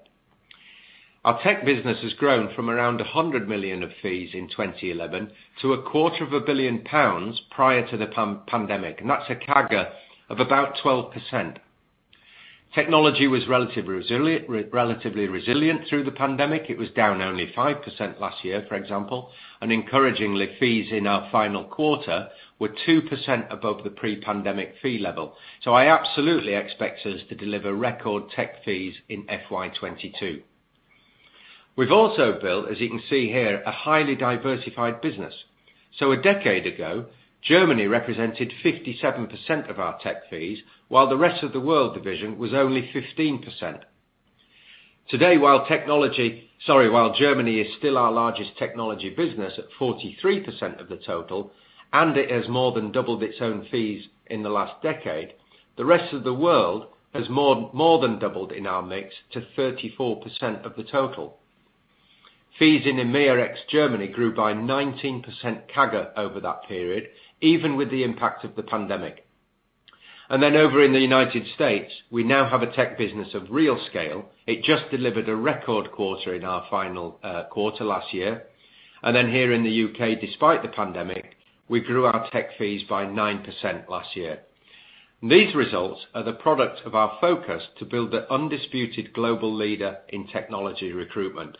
Our Tech business has grown from around 100 million of fees in 2011 to a quarter of a billion GBP prior to the pandemic. That's a CAGR of about 12%. Technology was relatively resilient through the pandemic. It was down only 5% last year, for example. Encouragingly, fees in our final quarter were 2% above the pre-pandemic fee level. I absolutely expect us to deliver record Tech fees in FY22. We've also built, as you can see here, a highly diversified business. A decade ago, Germany represented 57% of our Tech fees while the rest of the world division was only 15%. Today, while Germany is still our largest technology business at 43% of the total, it has more than doubled its own fees in the last decade. The rest of the world has more than doubled in our mix to 34% of the total. Fees in EMEA ex Germany grew by 19% CAGR over that period, even with the impact of the pandemic. Over in the U.S., we now have a tech business of real scale. It just delivered a record quarter in our final quarter last year. Here in the U.K., despite the pandemic, we grew our tech fees by 9% last year. These results are the product of our focus to build the undisputed global leader in technology recruitment.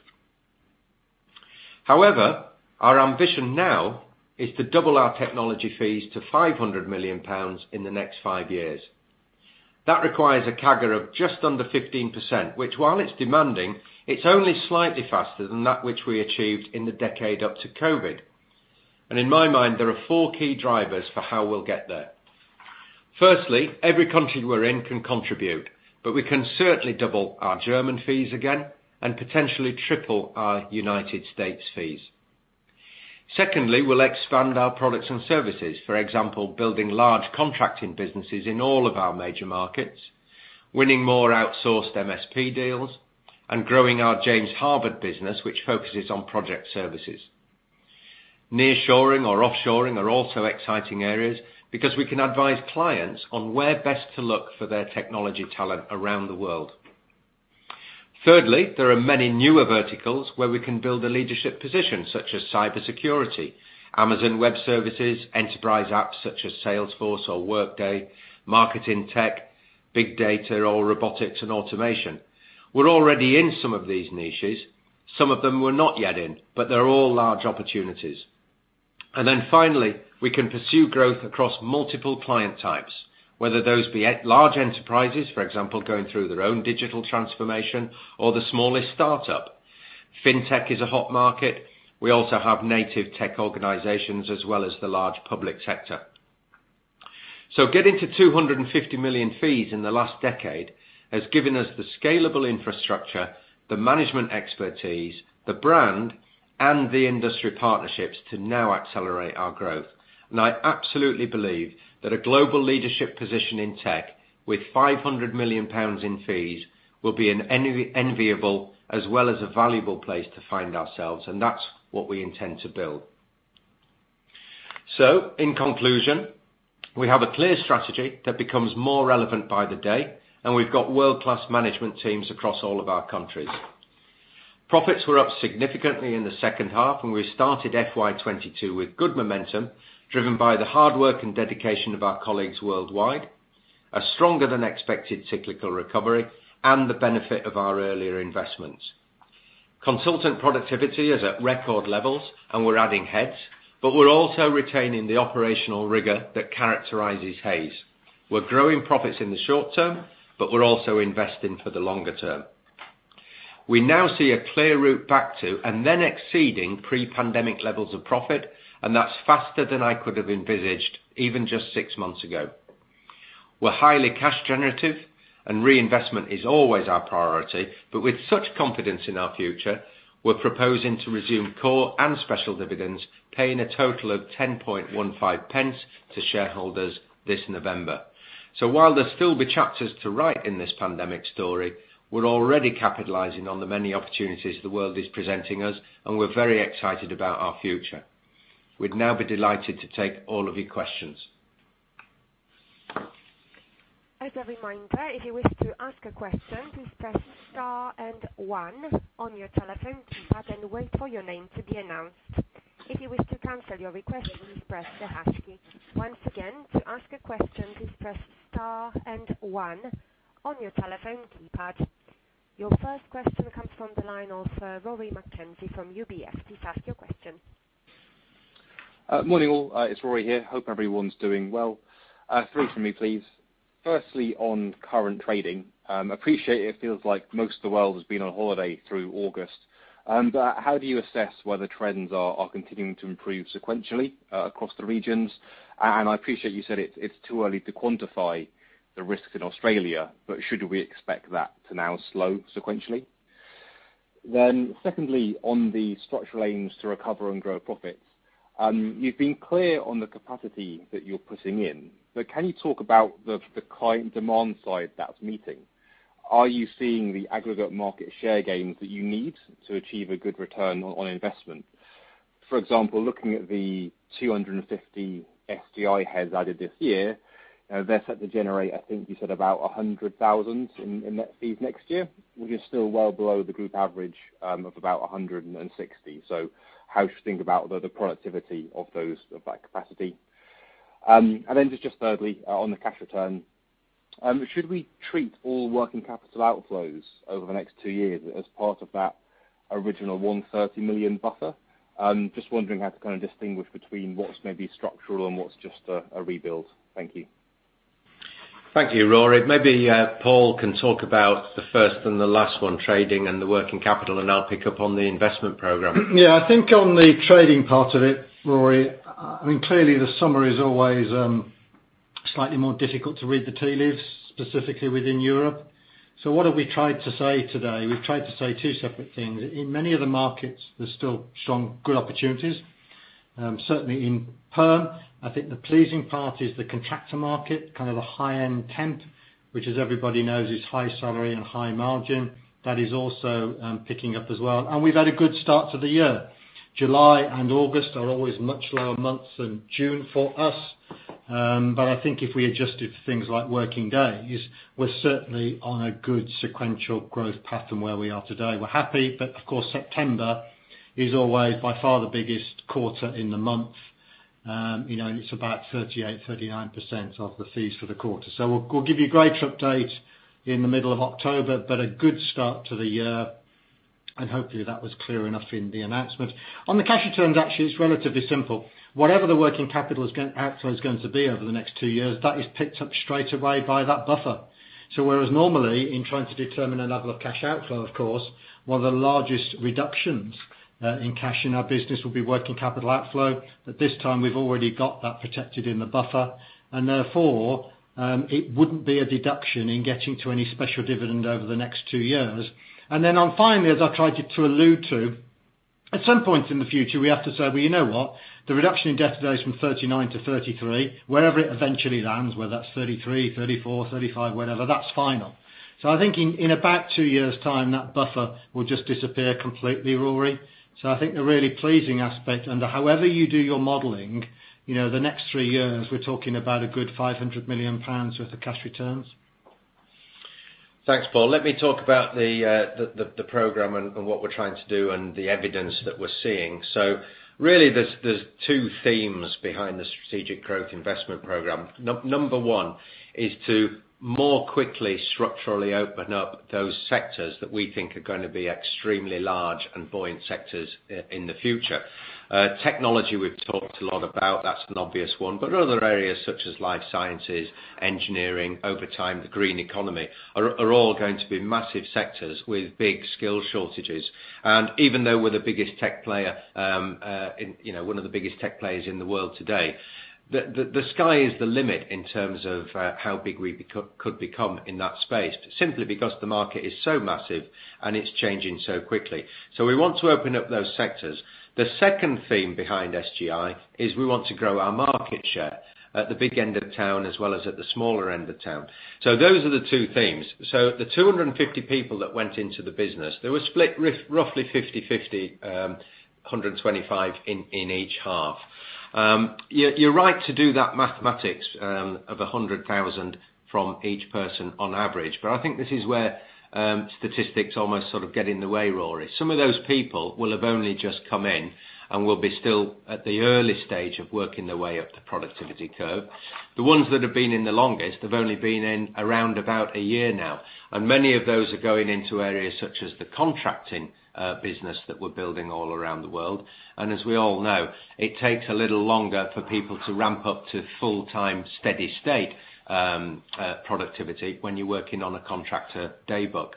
However, our ambition now is to double our technology fees to 500 million pounds in the next five years. That requires a CAGR of just under 15%, which while it's demanding, it's only slightly faster than that which we achieved in the decade up to COVID. In my mind, there are four key drivers for how we'll get there. Firstly, every country we're in can contribute, but we can certainly double our German fees again and potentially triple our United States fees. Secondly, we'll expand our products and services, for example, building large contracting businesses in all of our major markets, winning more outsourced MSP deals, and growing our James Harvard business, which focuses on project services. Nearshoring or offshoring are also exciting areas because we can advise clients on where best to look for their technology talent around the world. Thirdly, there are many newer verticals where we can build a leadership position, such as cybersecurity, Amazon Web Services, enterprise apps such as Salesforce or Workday, marketing tech, big data, or robotics and automation. We're already in some of these niches. Some of them we're not yet in, but they're all large opportunities. Finally, we can pursue growth across multiple client types, whether those be large enterprises, for example, going through their own digital transformation or the smallest startup. Fintech is a hot market. We also have native tech organizations as well as the large public sector. Getting to 250 million fees in the last decade has given us the scalable infrastructure, the management expertise, the brand, and the industry partnerships to now accelerate our growth. I absolutely believe that a global leadership position in tech with 500 million pounds in fees will be an enviable as well as a valuable place to find ourselves, and that's what we intend to build. In conclusion, we have a clear strategy that becomes more relevant by the day, and we've got world-class management teams across all of our countries. Profits were up significantly in the second half, and we started FY22 with good momentum driven by the hard work and dedication of our colleagues worldwide, a stronger than expected cyclical recovery, and the benefit of our earlier investments. Consultant productivity is at record levels and we're adding heads, but we're also retaining the operational rigor that characterizes Hays. We're growing profits in the short term, but we're also investing for the longer term. We now see a clear route back to and then exceeding pre-pandemic levels of profit, and that's faster than I could have envisaged even just six months ago. We're highly cash generative and reinvestment is always our priority, but with such confidence in our future, we're proposing to resume core and special dividends, paying a total of 0.1015 to shareholders this November. While there'll still be chapters to write in this pandemic story, we're already capitalizing on the many opportunities the world is presenting us, and we're very excited about our future. We'd now be delighted to take all of your questions.
As a reminder, if you wish to ask a question, please press star and one on your telephone keypad and wait for your name to be announced. If you wish to cancel your request, please press the hash key. Once again, to ask a question, please press star and one on your telephone keypad. Your first question comes from the line of Rory McKenzie from UBS. Please ask your question.
Morning all. It's Rory here. Hope everyone's doing well. Three from me, please. Firstly, on current trading, appreciate it feels like most of the world has been on holiday through August. How do you assess whether trends are continuing to improve sequentially across the regions? I appreciate you said it's too early to quantify the risks in Australia, but should we expect that to now slow sequentially? Secondly, on the structural aims to recover and grow profits. You've been clear on the capacity that you're putting in, but can you talk about the client demand side that's meeting? Are you seeing the aggregate market share gains that you need to achieve a good return on investment? For example, looking at the 250 SGI Hays added this year, they're set to generate, I think you said about 100,000 in net fees next year, which is still well below the group average of about 160. How should we think about the productivity of that capacity? Just thirdly, on the cash return, should we treat all working capital outflows over the next two years as part of that original 130 million buffer? Just wondering how to distinguish between what's maybe structural and what's just a rebuild. Thank you.
Thank you, Rory. Maybe Paul can talk about the first and the last one, trading and the working capital, and I'll pick up on the investment program.
Yeah, I think on the trading part of it, Rory, clearly the summer is always slightly more difficult to read the tea leaves, specifically within Europe. What have we tried to say today? We've tried to say two separate things. In many of the markets, there's still strong, good opportunities. Certainly in Perm, I think the pleasing part is the contractor market, kind of a high-end temp, which, as everybody knows, is high salary and high margin. That is also picking up as well. We've had a good start to the year. July and August are always much lower months than June for us. I think if we adjusted for things like working days, we're certainly on a good sequential growth path from where we are today. We're happy, but of course, September is always by far the biggest quarter in the month. It's about 38%-39% of the fees for the quarter. We'll give you a greater update in the middle of October, but a good start to the year, and hopefully that was clear enough in the announcement. On the cash returns, actually, it's relatively simple. Whatever the working capital outflow is going to be over the next two years, that is picked up straight away by that buffer. Whereas normally in trying to determine the level of cash outflow, of course, one of the largest reductions in cash in our business will be working capital outflow, but this time we've already got that protected in the buffer, and therefore, it wouldn't be a deduction in getting to any special dividend over the next two years. Then finally, as I tried to allude to, at some point in the future, we have to say, "Well, you know what? The reduction in debtor days from 39 to 33, wherever it eventually lands, whether that's 33, 34, 35, whatever, that's final." I think in about two years' time, that buffer will just disappear completely, Rory. I think the really pleasing aspect under however you do your modeling, the next three years, we're talking about a good 500 million pounds worth of cash returns.
Thanks, Paul. Let me talk about the program and what we're trying to do and the evidence that we're seeing. Really there's two themes behind the Strategic Growth Investment Program. Number one is to more quickly structurally open up those sectors that we think are going to be extremely large and buoyant sectors in the future. Technology we've talked a lot about, that's an obvious one. Other areas such as life sciences, engineering, over time, the green economy, are all going to be massive sectors with big skill shortages. Even though we're one of the biggest tech players in the world today, the sky is the limit in terms of how big we could become in that space, simply because the market is so massive and it's changing so quickly. We want to open up those sectors. The second theme behind SGI is we want to grow our market share at the big end of town as well as at the smaller end of town. Those are the two themes. The 250 people that went into the business, they were split roughly 50/50, 125 in each half. You're right to do that mathematics of 100,000 from each person on average. I think this is where statistics almost sort of get in the way, Rory. Some of those people will have only just come in and will be still at the early stage of working their way up the productivity curve. The ones that have been in the longest have only been in around about a year now, and many of those are going into areas such as the contracting business that we're building all around the world. As we all know, it takes a little longer for people to ramp up to full-time steady state productivity when you're working on a contractor day book.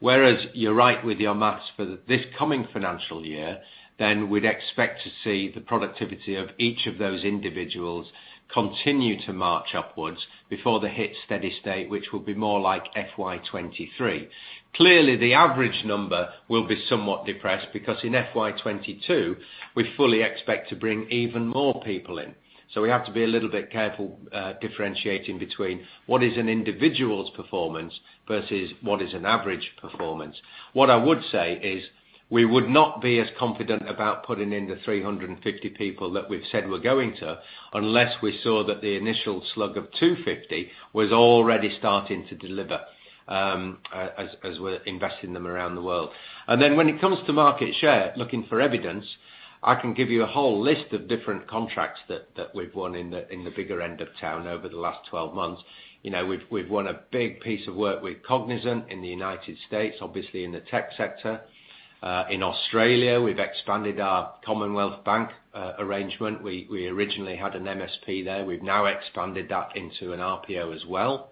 Whereas you're right with your math for this coming financial year, then we'd expect to see the productivity of each of those individuals continue to march upwards before they hit steady state, which will be more like FY 2023. Clearly, the average number will be somewhat depressed because in FY 2022, we fully expect to bring even more people in. We have to be a little bit careful differentiating between what is an individual's performance versus what is an average performance. What I would say is we would not be as confident about putting in the 350 people that we've said we're going to, unless we saw that the initial slug of 250 was already starting to deliver as we're investing them around the world. When it comes to market share, looking for evidence, I can give you a whole list of different contracts that we've won in the bigger end of town over the last 12 months. We've won a big piece of work with Cognizant in the U.S., obviously in the tech sector. In Australia, we've expanded our Commonwealth Bank arrangement. We originally had an MSP there. We've now expanded that into an RPO as well.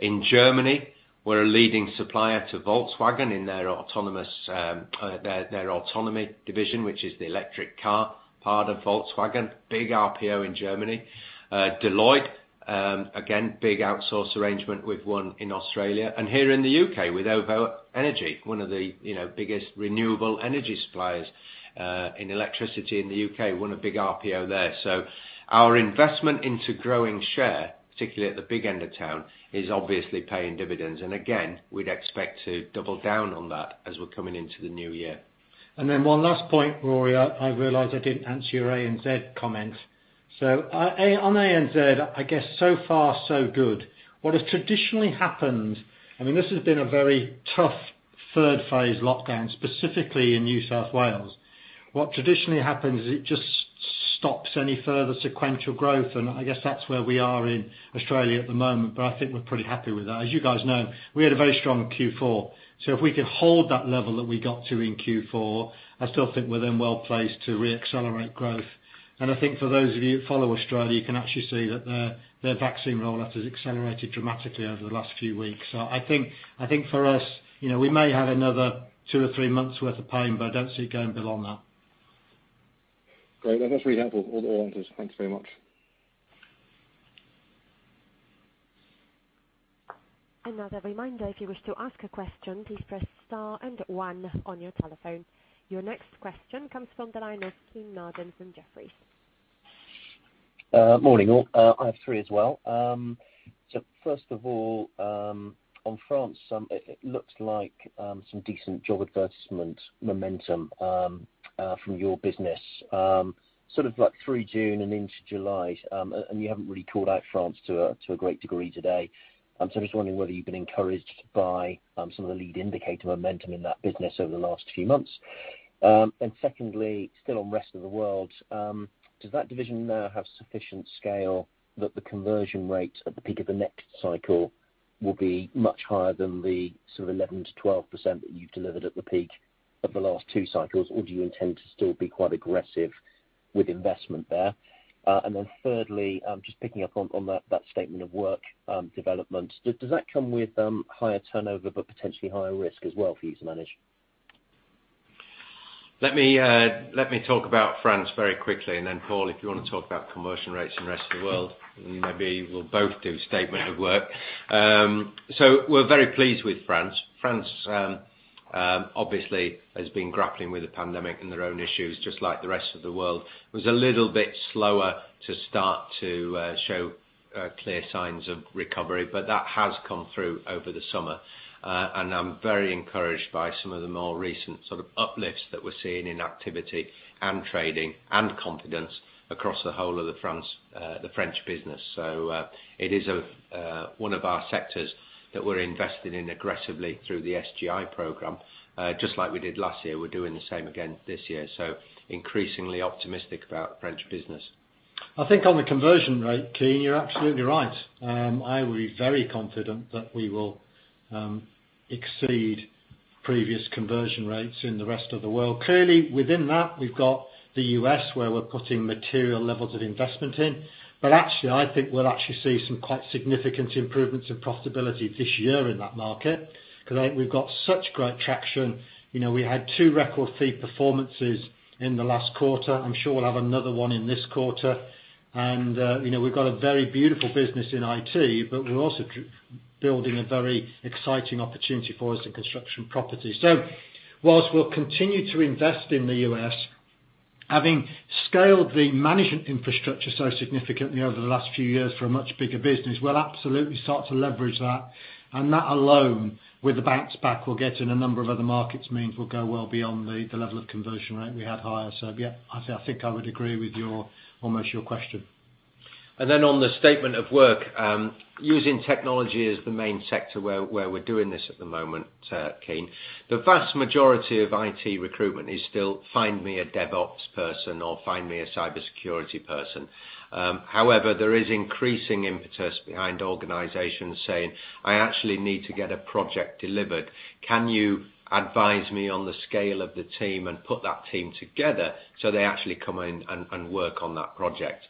In Germany, we're a leading supplier to Volkswagen in their autonomy division, which is the electric car part of Volkswagen. Big RPO in Germany. Deloitte, again, big outsource arrangement we've won in Australia, and here in the U.K. with OVO Energy, one of the biggest renewable energy suppliers in electricity in the U.K., won a big RPO there. Our investment into growing share, particularly at the big end of town, is obviously paying dividends. Again, we'd expect to double down on that as we're coming into the new year.
One last point, Rory. I realize I didn't answer your ANZ comment. On ANZ, I guess so far so good. What has traditionally happened, this has been a very tough third phase lockdown, specifically in New South Wales. What traditionally happens is it just stops any further sequential growth, and I guess that's where we are in Australia at the moment. I think we're pretty happy with that. As you guys know, we had a very strong Q4. If we could hold that level that we got to in Q4, I still think we're then well-placed to re-accelerate growth. I think for those of you that follow Australia, you can actually see that their vaccine rollout has accelerated dramatically over the last few weeks. I think for us, we may have another two or three months worth of pain, but I don't see it going beyond that.
Great. That's really helpful. All answers. Thanks very much.
And as a reminder, if you wish to ask a question, please press star and one on your telephone. Your next question comes from the line of Kean Marden from Jefferies.
Morning, all. I have three as well. First of all, on France, it looks like some decent job advertisement momentum from your business sort of through June and into July. You haven't really called out France to a great degree today. I'm just wondering whether you've been encouraged by some of the lead indicator momentum in that business over the last few months. Secondly, still on rest of the world, does that division now have sufficient scale that the conversion rate at the peak of the next cycle will be much higher than the sort of 11%-12% that you've delivered at the peak of the last two cycles? Do you intend to still be quite aggressive with investment there? Thirdly, just picking up on that statement of work developments, does that come with higher turnover but potentially higher risk as well for you to manage?
Let me talk about France very quickly, and then Paul, if you want to talk about conversion rates in rest of the world, and maybe we'll both do statement of work. We're very pleased with France. France obviously has been grappling with the pandemic and their own issues, just like the rest of the world. France was a little bit slower to start to show clear signs of recovery, but that has come through over the summer. I'm very encouraged by some of the more recent sort of uplifts that we're seeing in activity and trading and confidence across the whole of the French business. It is one of our sectors that we're investing in aggressively through the SGI program just like we did last year. We're doing the same again this year, so increasingly optimistic about the French business.
I think on the conversion rate, Kean, you're absolutely right. I would be very confident that we will exceed previous conversion rates in the rest of the world. Clearly within that, we've got the U.S. where we're putting material levels of investment in. Actually, I think we'll actually see some quite significant improvements in profitability this year in that market because I think we've got such great traction. We had two record fee performances in the last quarter. I'm sure we'll have another one in this quarter. We've got a very beautiful business in IT, but we're also building a very exciting opportunity for us in construction property. Whilst we'll continue to invest in the U.S., having scaled the management infrastructure so significantly over the last few years for a much bigger business, we'll absolutely start to leverage that. That alone, with the bounce back we will get in a number of other markets means we will go well beyond the level of conversion rate we had higher. Yeah, I think I would agree with almost your question.
Then on the statement of work, using technology as the main sector where we're doing this at the moment, Kean. The vast majority of IT recruitment is still find me a DevOps person or find me a cybersecurity person. However, there is increasing impetus behind organizations saying, "I actually need to get a project delivered. Can you advise me on the scale of the team and put that team together so they actually come in and work on that project?"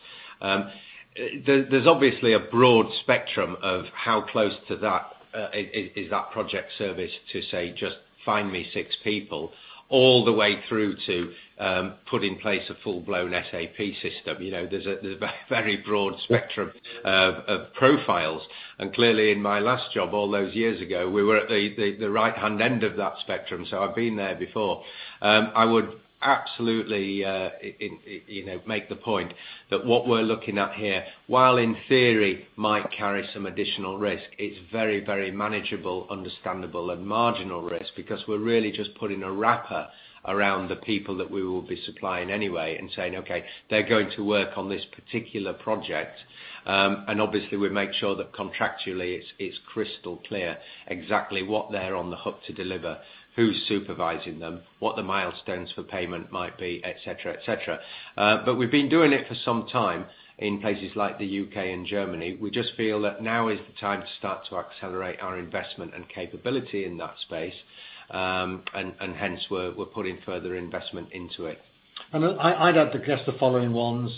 There's obviously a broad spectrum of how close to that is that project service to say just find me six people, all the way through to put in place a full-blown SAP system. There's a very broad spectrum of profiles. Clearly in my last job all those years ago, we were at the right-hand end of that spectrum. I've been there before. I would absolutely make the point that what we're looking at here, while in theory might carry some additional risk, it's very manageable, understandable, and marginal risk because we're really just putting a wrapper around the people that we will be supplying anyway and saying, okay, they're going to work on this particular project. Obviously, we make sure that contractually it's crystal clear exactly what they're on the hook to deliver, who's supervising them, what the milestones for payment might be, et cetera. We've been doing it for some time in places like the U.K. and Germany. We just feel that now is the time to start to accelerate our investment and capability in that space. Hence we're putting further investment into it.
I'd add just the following ones.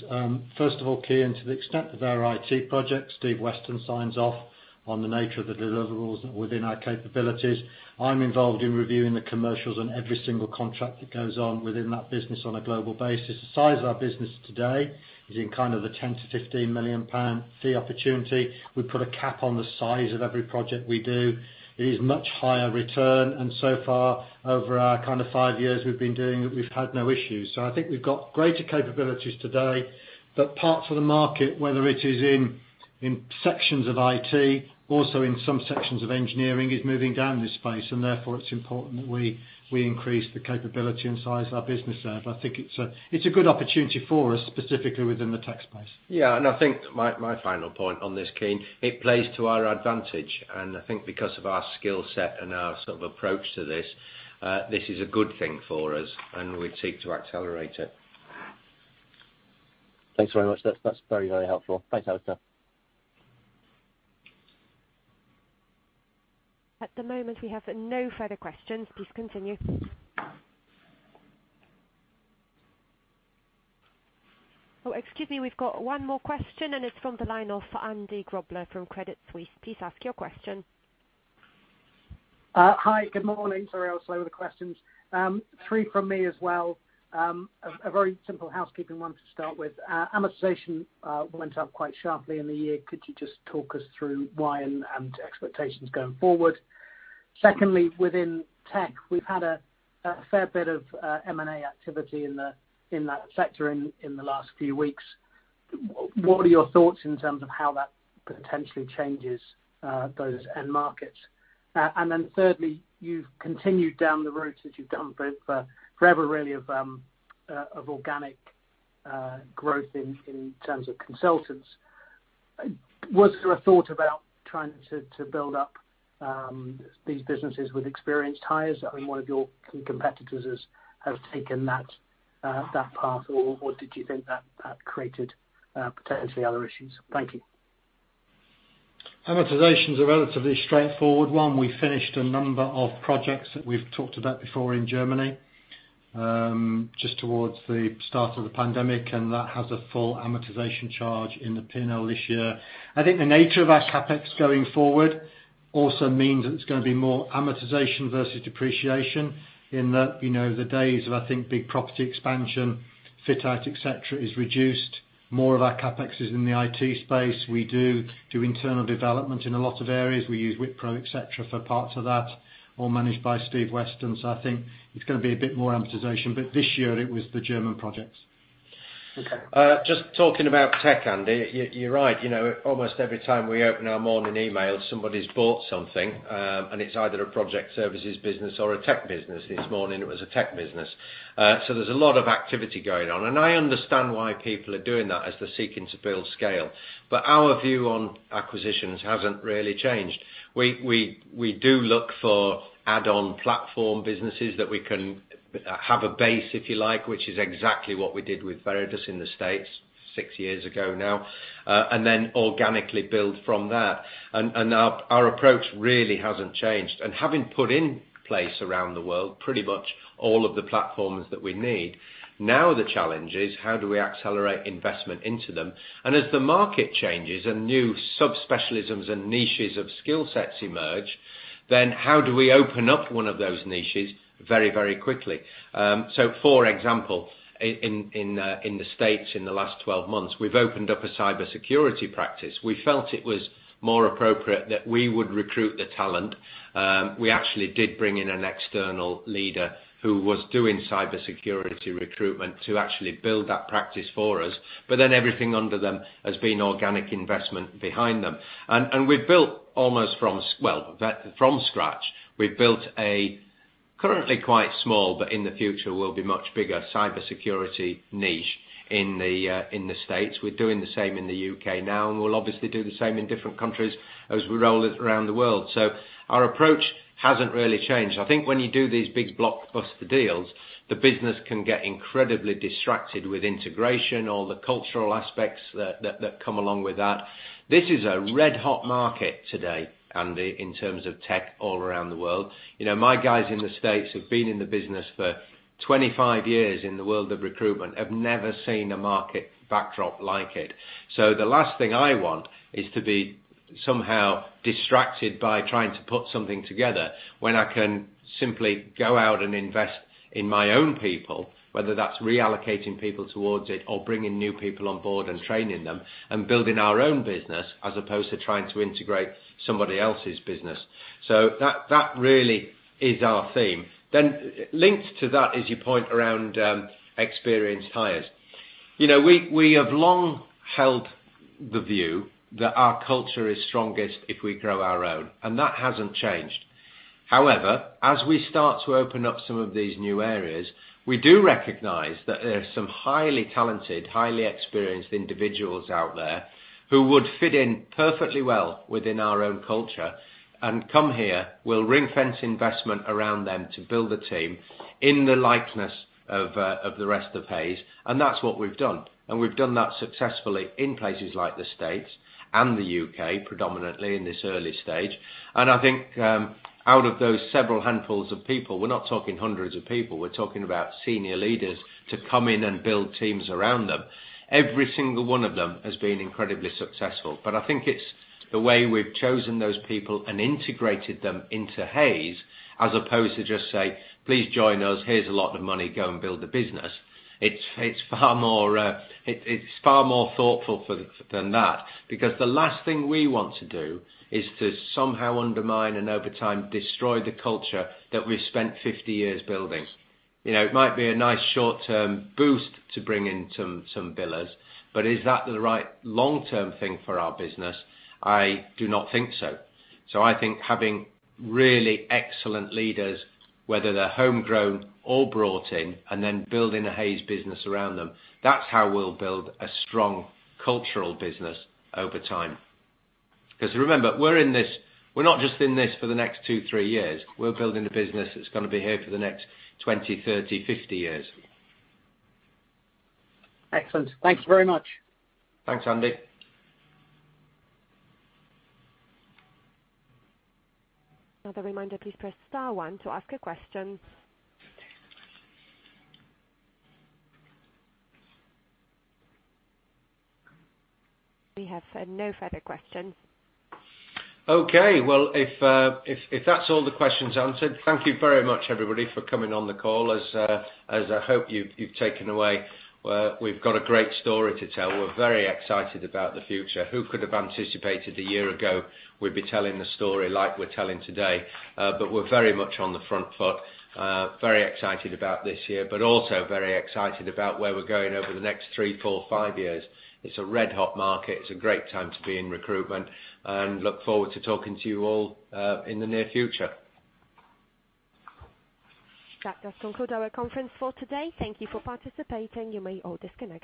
First of all, Kean, to the extent of our IT projects, Steve Weston signs off on the nature of the deliverables within our capabilities. I'm involved in reviewing the commercials on every single contract that goes on within that business on a global basis. The size of our business today is in kind of the 10 million-15 million pound fee opportunity. We put a cap on the size of every project we do. It is much higher return, and so far over our kind of five years we've been doing it, we've had no issues. I think we've got greater capabilities today, but part from the market, whether it is in sections of IT, also in some sections of engineering, is moving down this space, and therefore it's important that we increase the capability and size our business there. I think it's a good opportunity for us, specifically within the tech space.
Yeah. I think my final point on this, Kean, it plays to our advantage, and I think because of our skill set and our sort of approach to this is a good thing for us, and we seek to accelerate it.
Thanks very much. That's very helpful. Thanks, Alistair.
At the moment, we have no further questions. Please continue. Oh, excuse me. We've got one more question. It's from the line of Andy Grobler from Credit Suisse. Please ask your question.
Hi, good morning. Sorry, Alistair, with the questions. Three from me as well. A very simple housekeeping one to start with. Amortization went up quite sharply in the year. Could you just talk us through why and expectations going forward? Secondly, within tech, we've had a fair bit of M&A activity in that sector in the last few weeks. What are your thoughts in terms of how that potentially changes those end markets? Thirdly, you've continued down the route that you've done for forever really of organic growth in terms of consultants. Was there a thought about trying to build up these businesses with experienced hires? I mean, one of your key competitors has taken that path, did you think that that created potentially other issues? Thank you.
Amortizations are a relatively straightforward one. We finished a number of projects that we've talked about before in Germany, just towards the start of the pandemic, and that has a full amortization charge in the P&L this year. I think the nature of our CapEx going forward also means that it's going to be more amortization versus depreciation in that the days of, I think big property expansion, fit out, et cetera, is reduced. More of our CapEx is in the IT space. We do internal development in a lot of areas. We use Wipro, et cetera, for parts of that, all managed by Steve Weston. I think it's going to be a bit more amortization, but this year it was the German projects.
Okay.
Just talking about tech, Andy, you're right. Almost every time we open our morning email, somebody's bought something, and it's either a project services business or a tech business. This morning it was a tech business. There's a lot of activity going on. I understand why people are doing that as they're seeking to build scale. Our view on acquisitions hasn't really changed. We do look for add-on platform businesses that we can have a base, if you like, which is exactly what we did with Veredus in the U.S. six years ago now, and then organically build from there. Our approach really hasn't changed. Having put in place around the world pretty much all of the platforms that we need, now the challenge is how do we accelerate investment into them? As the market changes and new subspecialisms and niches of skill sets emerge, then how do we open up one of those niches very quickly? For example, in the U.S. in the last 12 months, we've opened up a cybersecurity practice. We felt it was more appropriate that we would recruit the talent. We actually did bring in an external leader who was doing cybersecurity recruitment to actually build that practice for us. Everything under them has been organic investment behind them. We've built almost from scratch. We've built a currently quite small, but in the future will be much bigger cybersecurity niche in the U.S. We're doing the same in the U.K. now, and we'll obviously do the same in different countries as we roll it around the world. Our approach hasn't really changed. I think when you do these big blockbuster deals, the business can get incredibly distracted with integration, all the cultural aspects that come along with that. This is a red hot market today, Andy, in terms of tech all around the world. My guys in the U.S. who've been in the business for 25 years in the world of recruitment have never seen a market backdrop like it. The last thing I want is to be somehow distracted by trying to put something together when I can simply go out and invest in my own people, whether that's reallocating people towards it or bringing new people on board and training them and building our own business as opposed to trying to integrate somebody else's business. That really is our theme. Linked to that is your point around experienced hires. We have longheld the view that our culture is strongest if we grow our own, and that hasn't changed. However, as we start to open up some of these new areas, we do recognize that there are some highly talented, highly experienced individuals out there who would fit in perfectly well within our own culture and come here. We'll ring-fence investment around them to build a team in the likeness of the rest of Hays, and that's what we've done. We've done that successfully in places like the U.S. and the U.K., predominantly in this early stage. I think out of those several handfuls of people, we're not talking hundreds of people, we're talking about senior leaders to come in and build teams around them. Every single one of them has been incredibly successful. I think it's the way we've chosen those people and integrated them into Hays as opposed to just say, "Please join us. Here's a lot of money. Go and build a business." It's far more thoughtful than that because the last thing we want to do is to somehow undermine and over time destroy the culture that we've spent 50 years building. It might be a nice short-term boost to bring in some billers, but is that the right long-term thing for our business? I do not think so. I think having really excellent leaders, whether they're homegrown or brought in and then building a Hays business around them, that's how we'll build a strong cultural business over time. Remember, we're not just in this for the next two, three years. We're building a business that's going to be here for the next 20, 30, 50 years.
Excellent. Thank you very much.
Thanks, Andrew.
Another reminder, please press star one to ask a question. We have no further questions.
Okay. Well, if that's all the questions answered, thank you very much, everybody, for coming on the call. As I hope you've taken away, we've got a great story to tell. We're very excited about the future. Who could have anticipated a year ago we'd be telling the story like we're telling today? We're very much on the front foot. Very excited about this year, but also very excited about where we're going over the next three, four, five years. It's a red hot market. It's a great time to be in recruitment and look forward to talking to you all in the near future.
That does conclude our conference for today. Thank you for participating. You may all disconnect.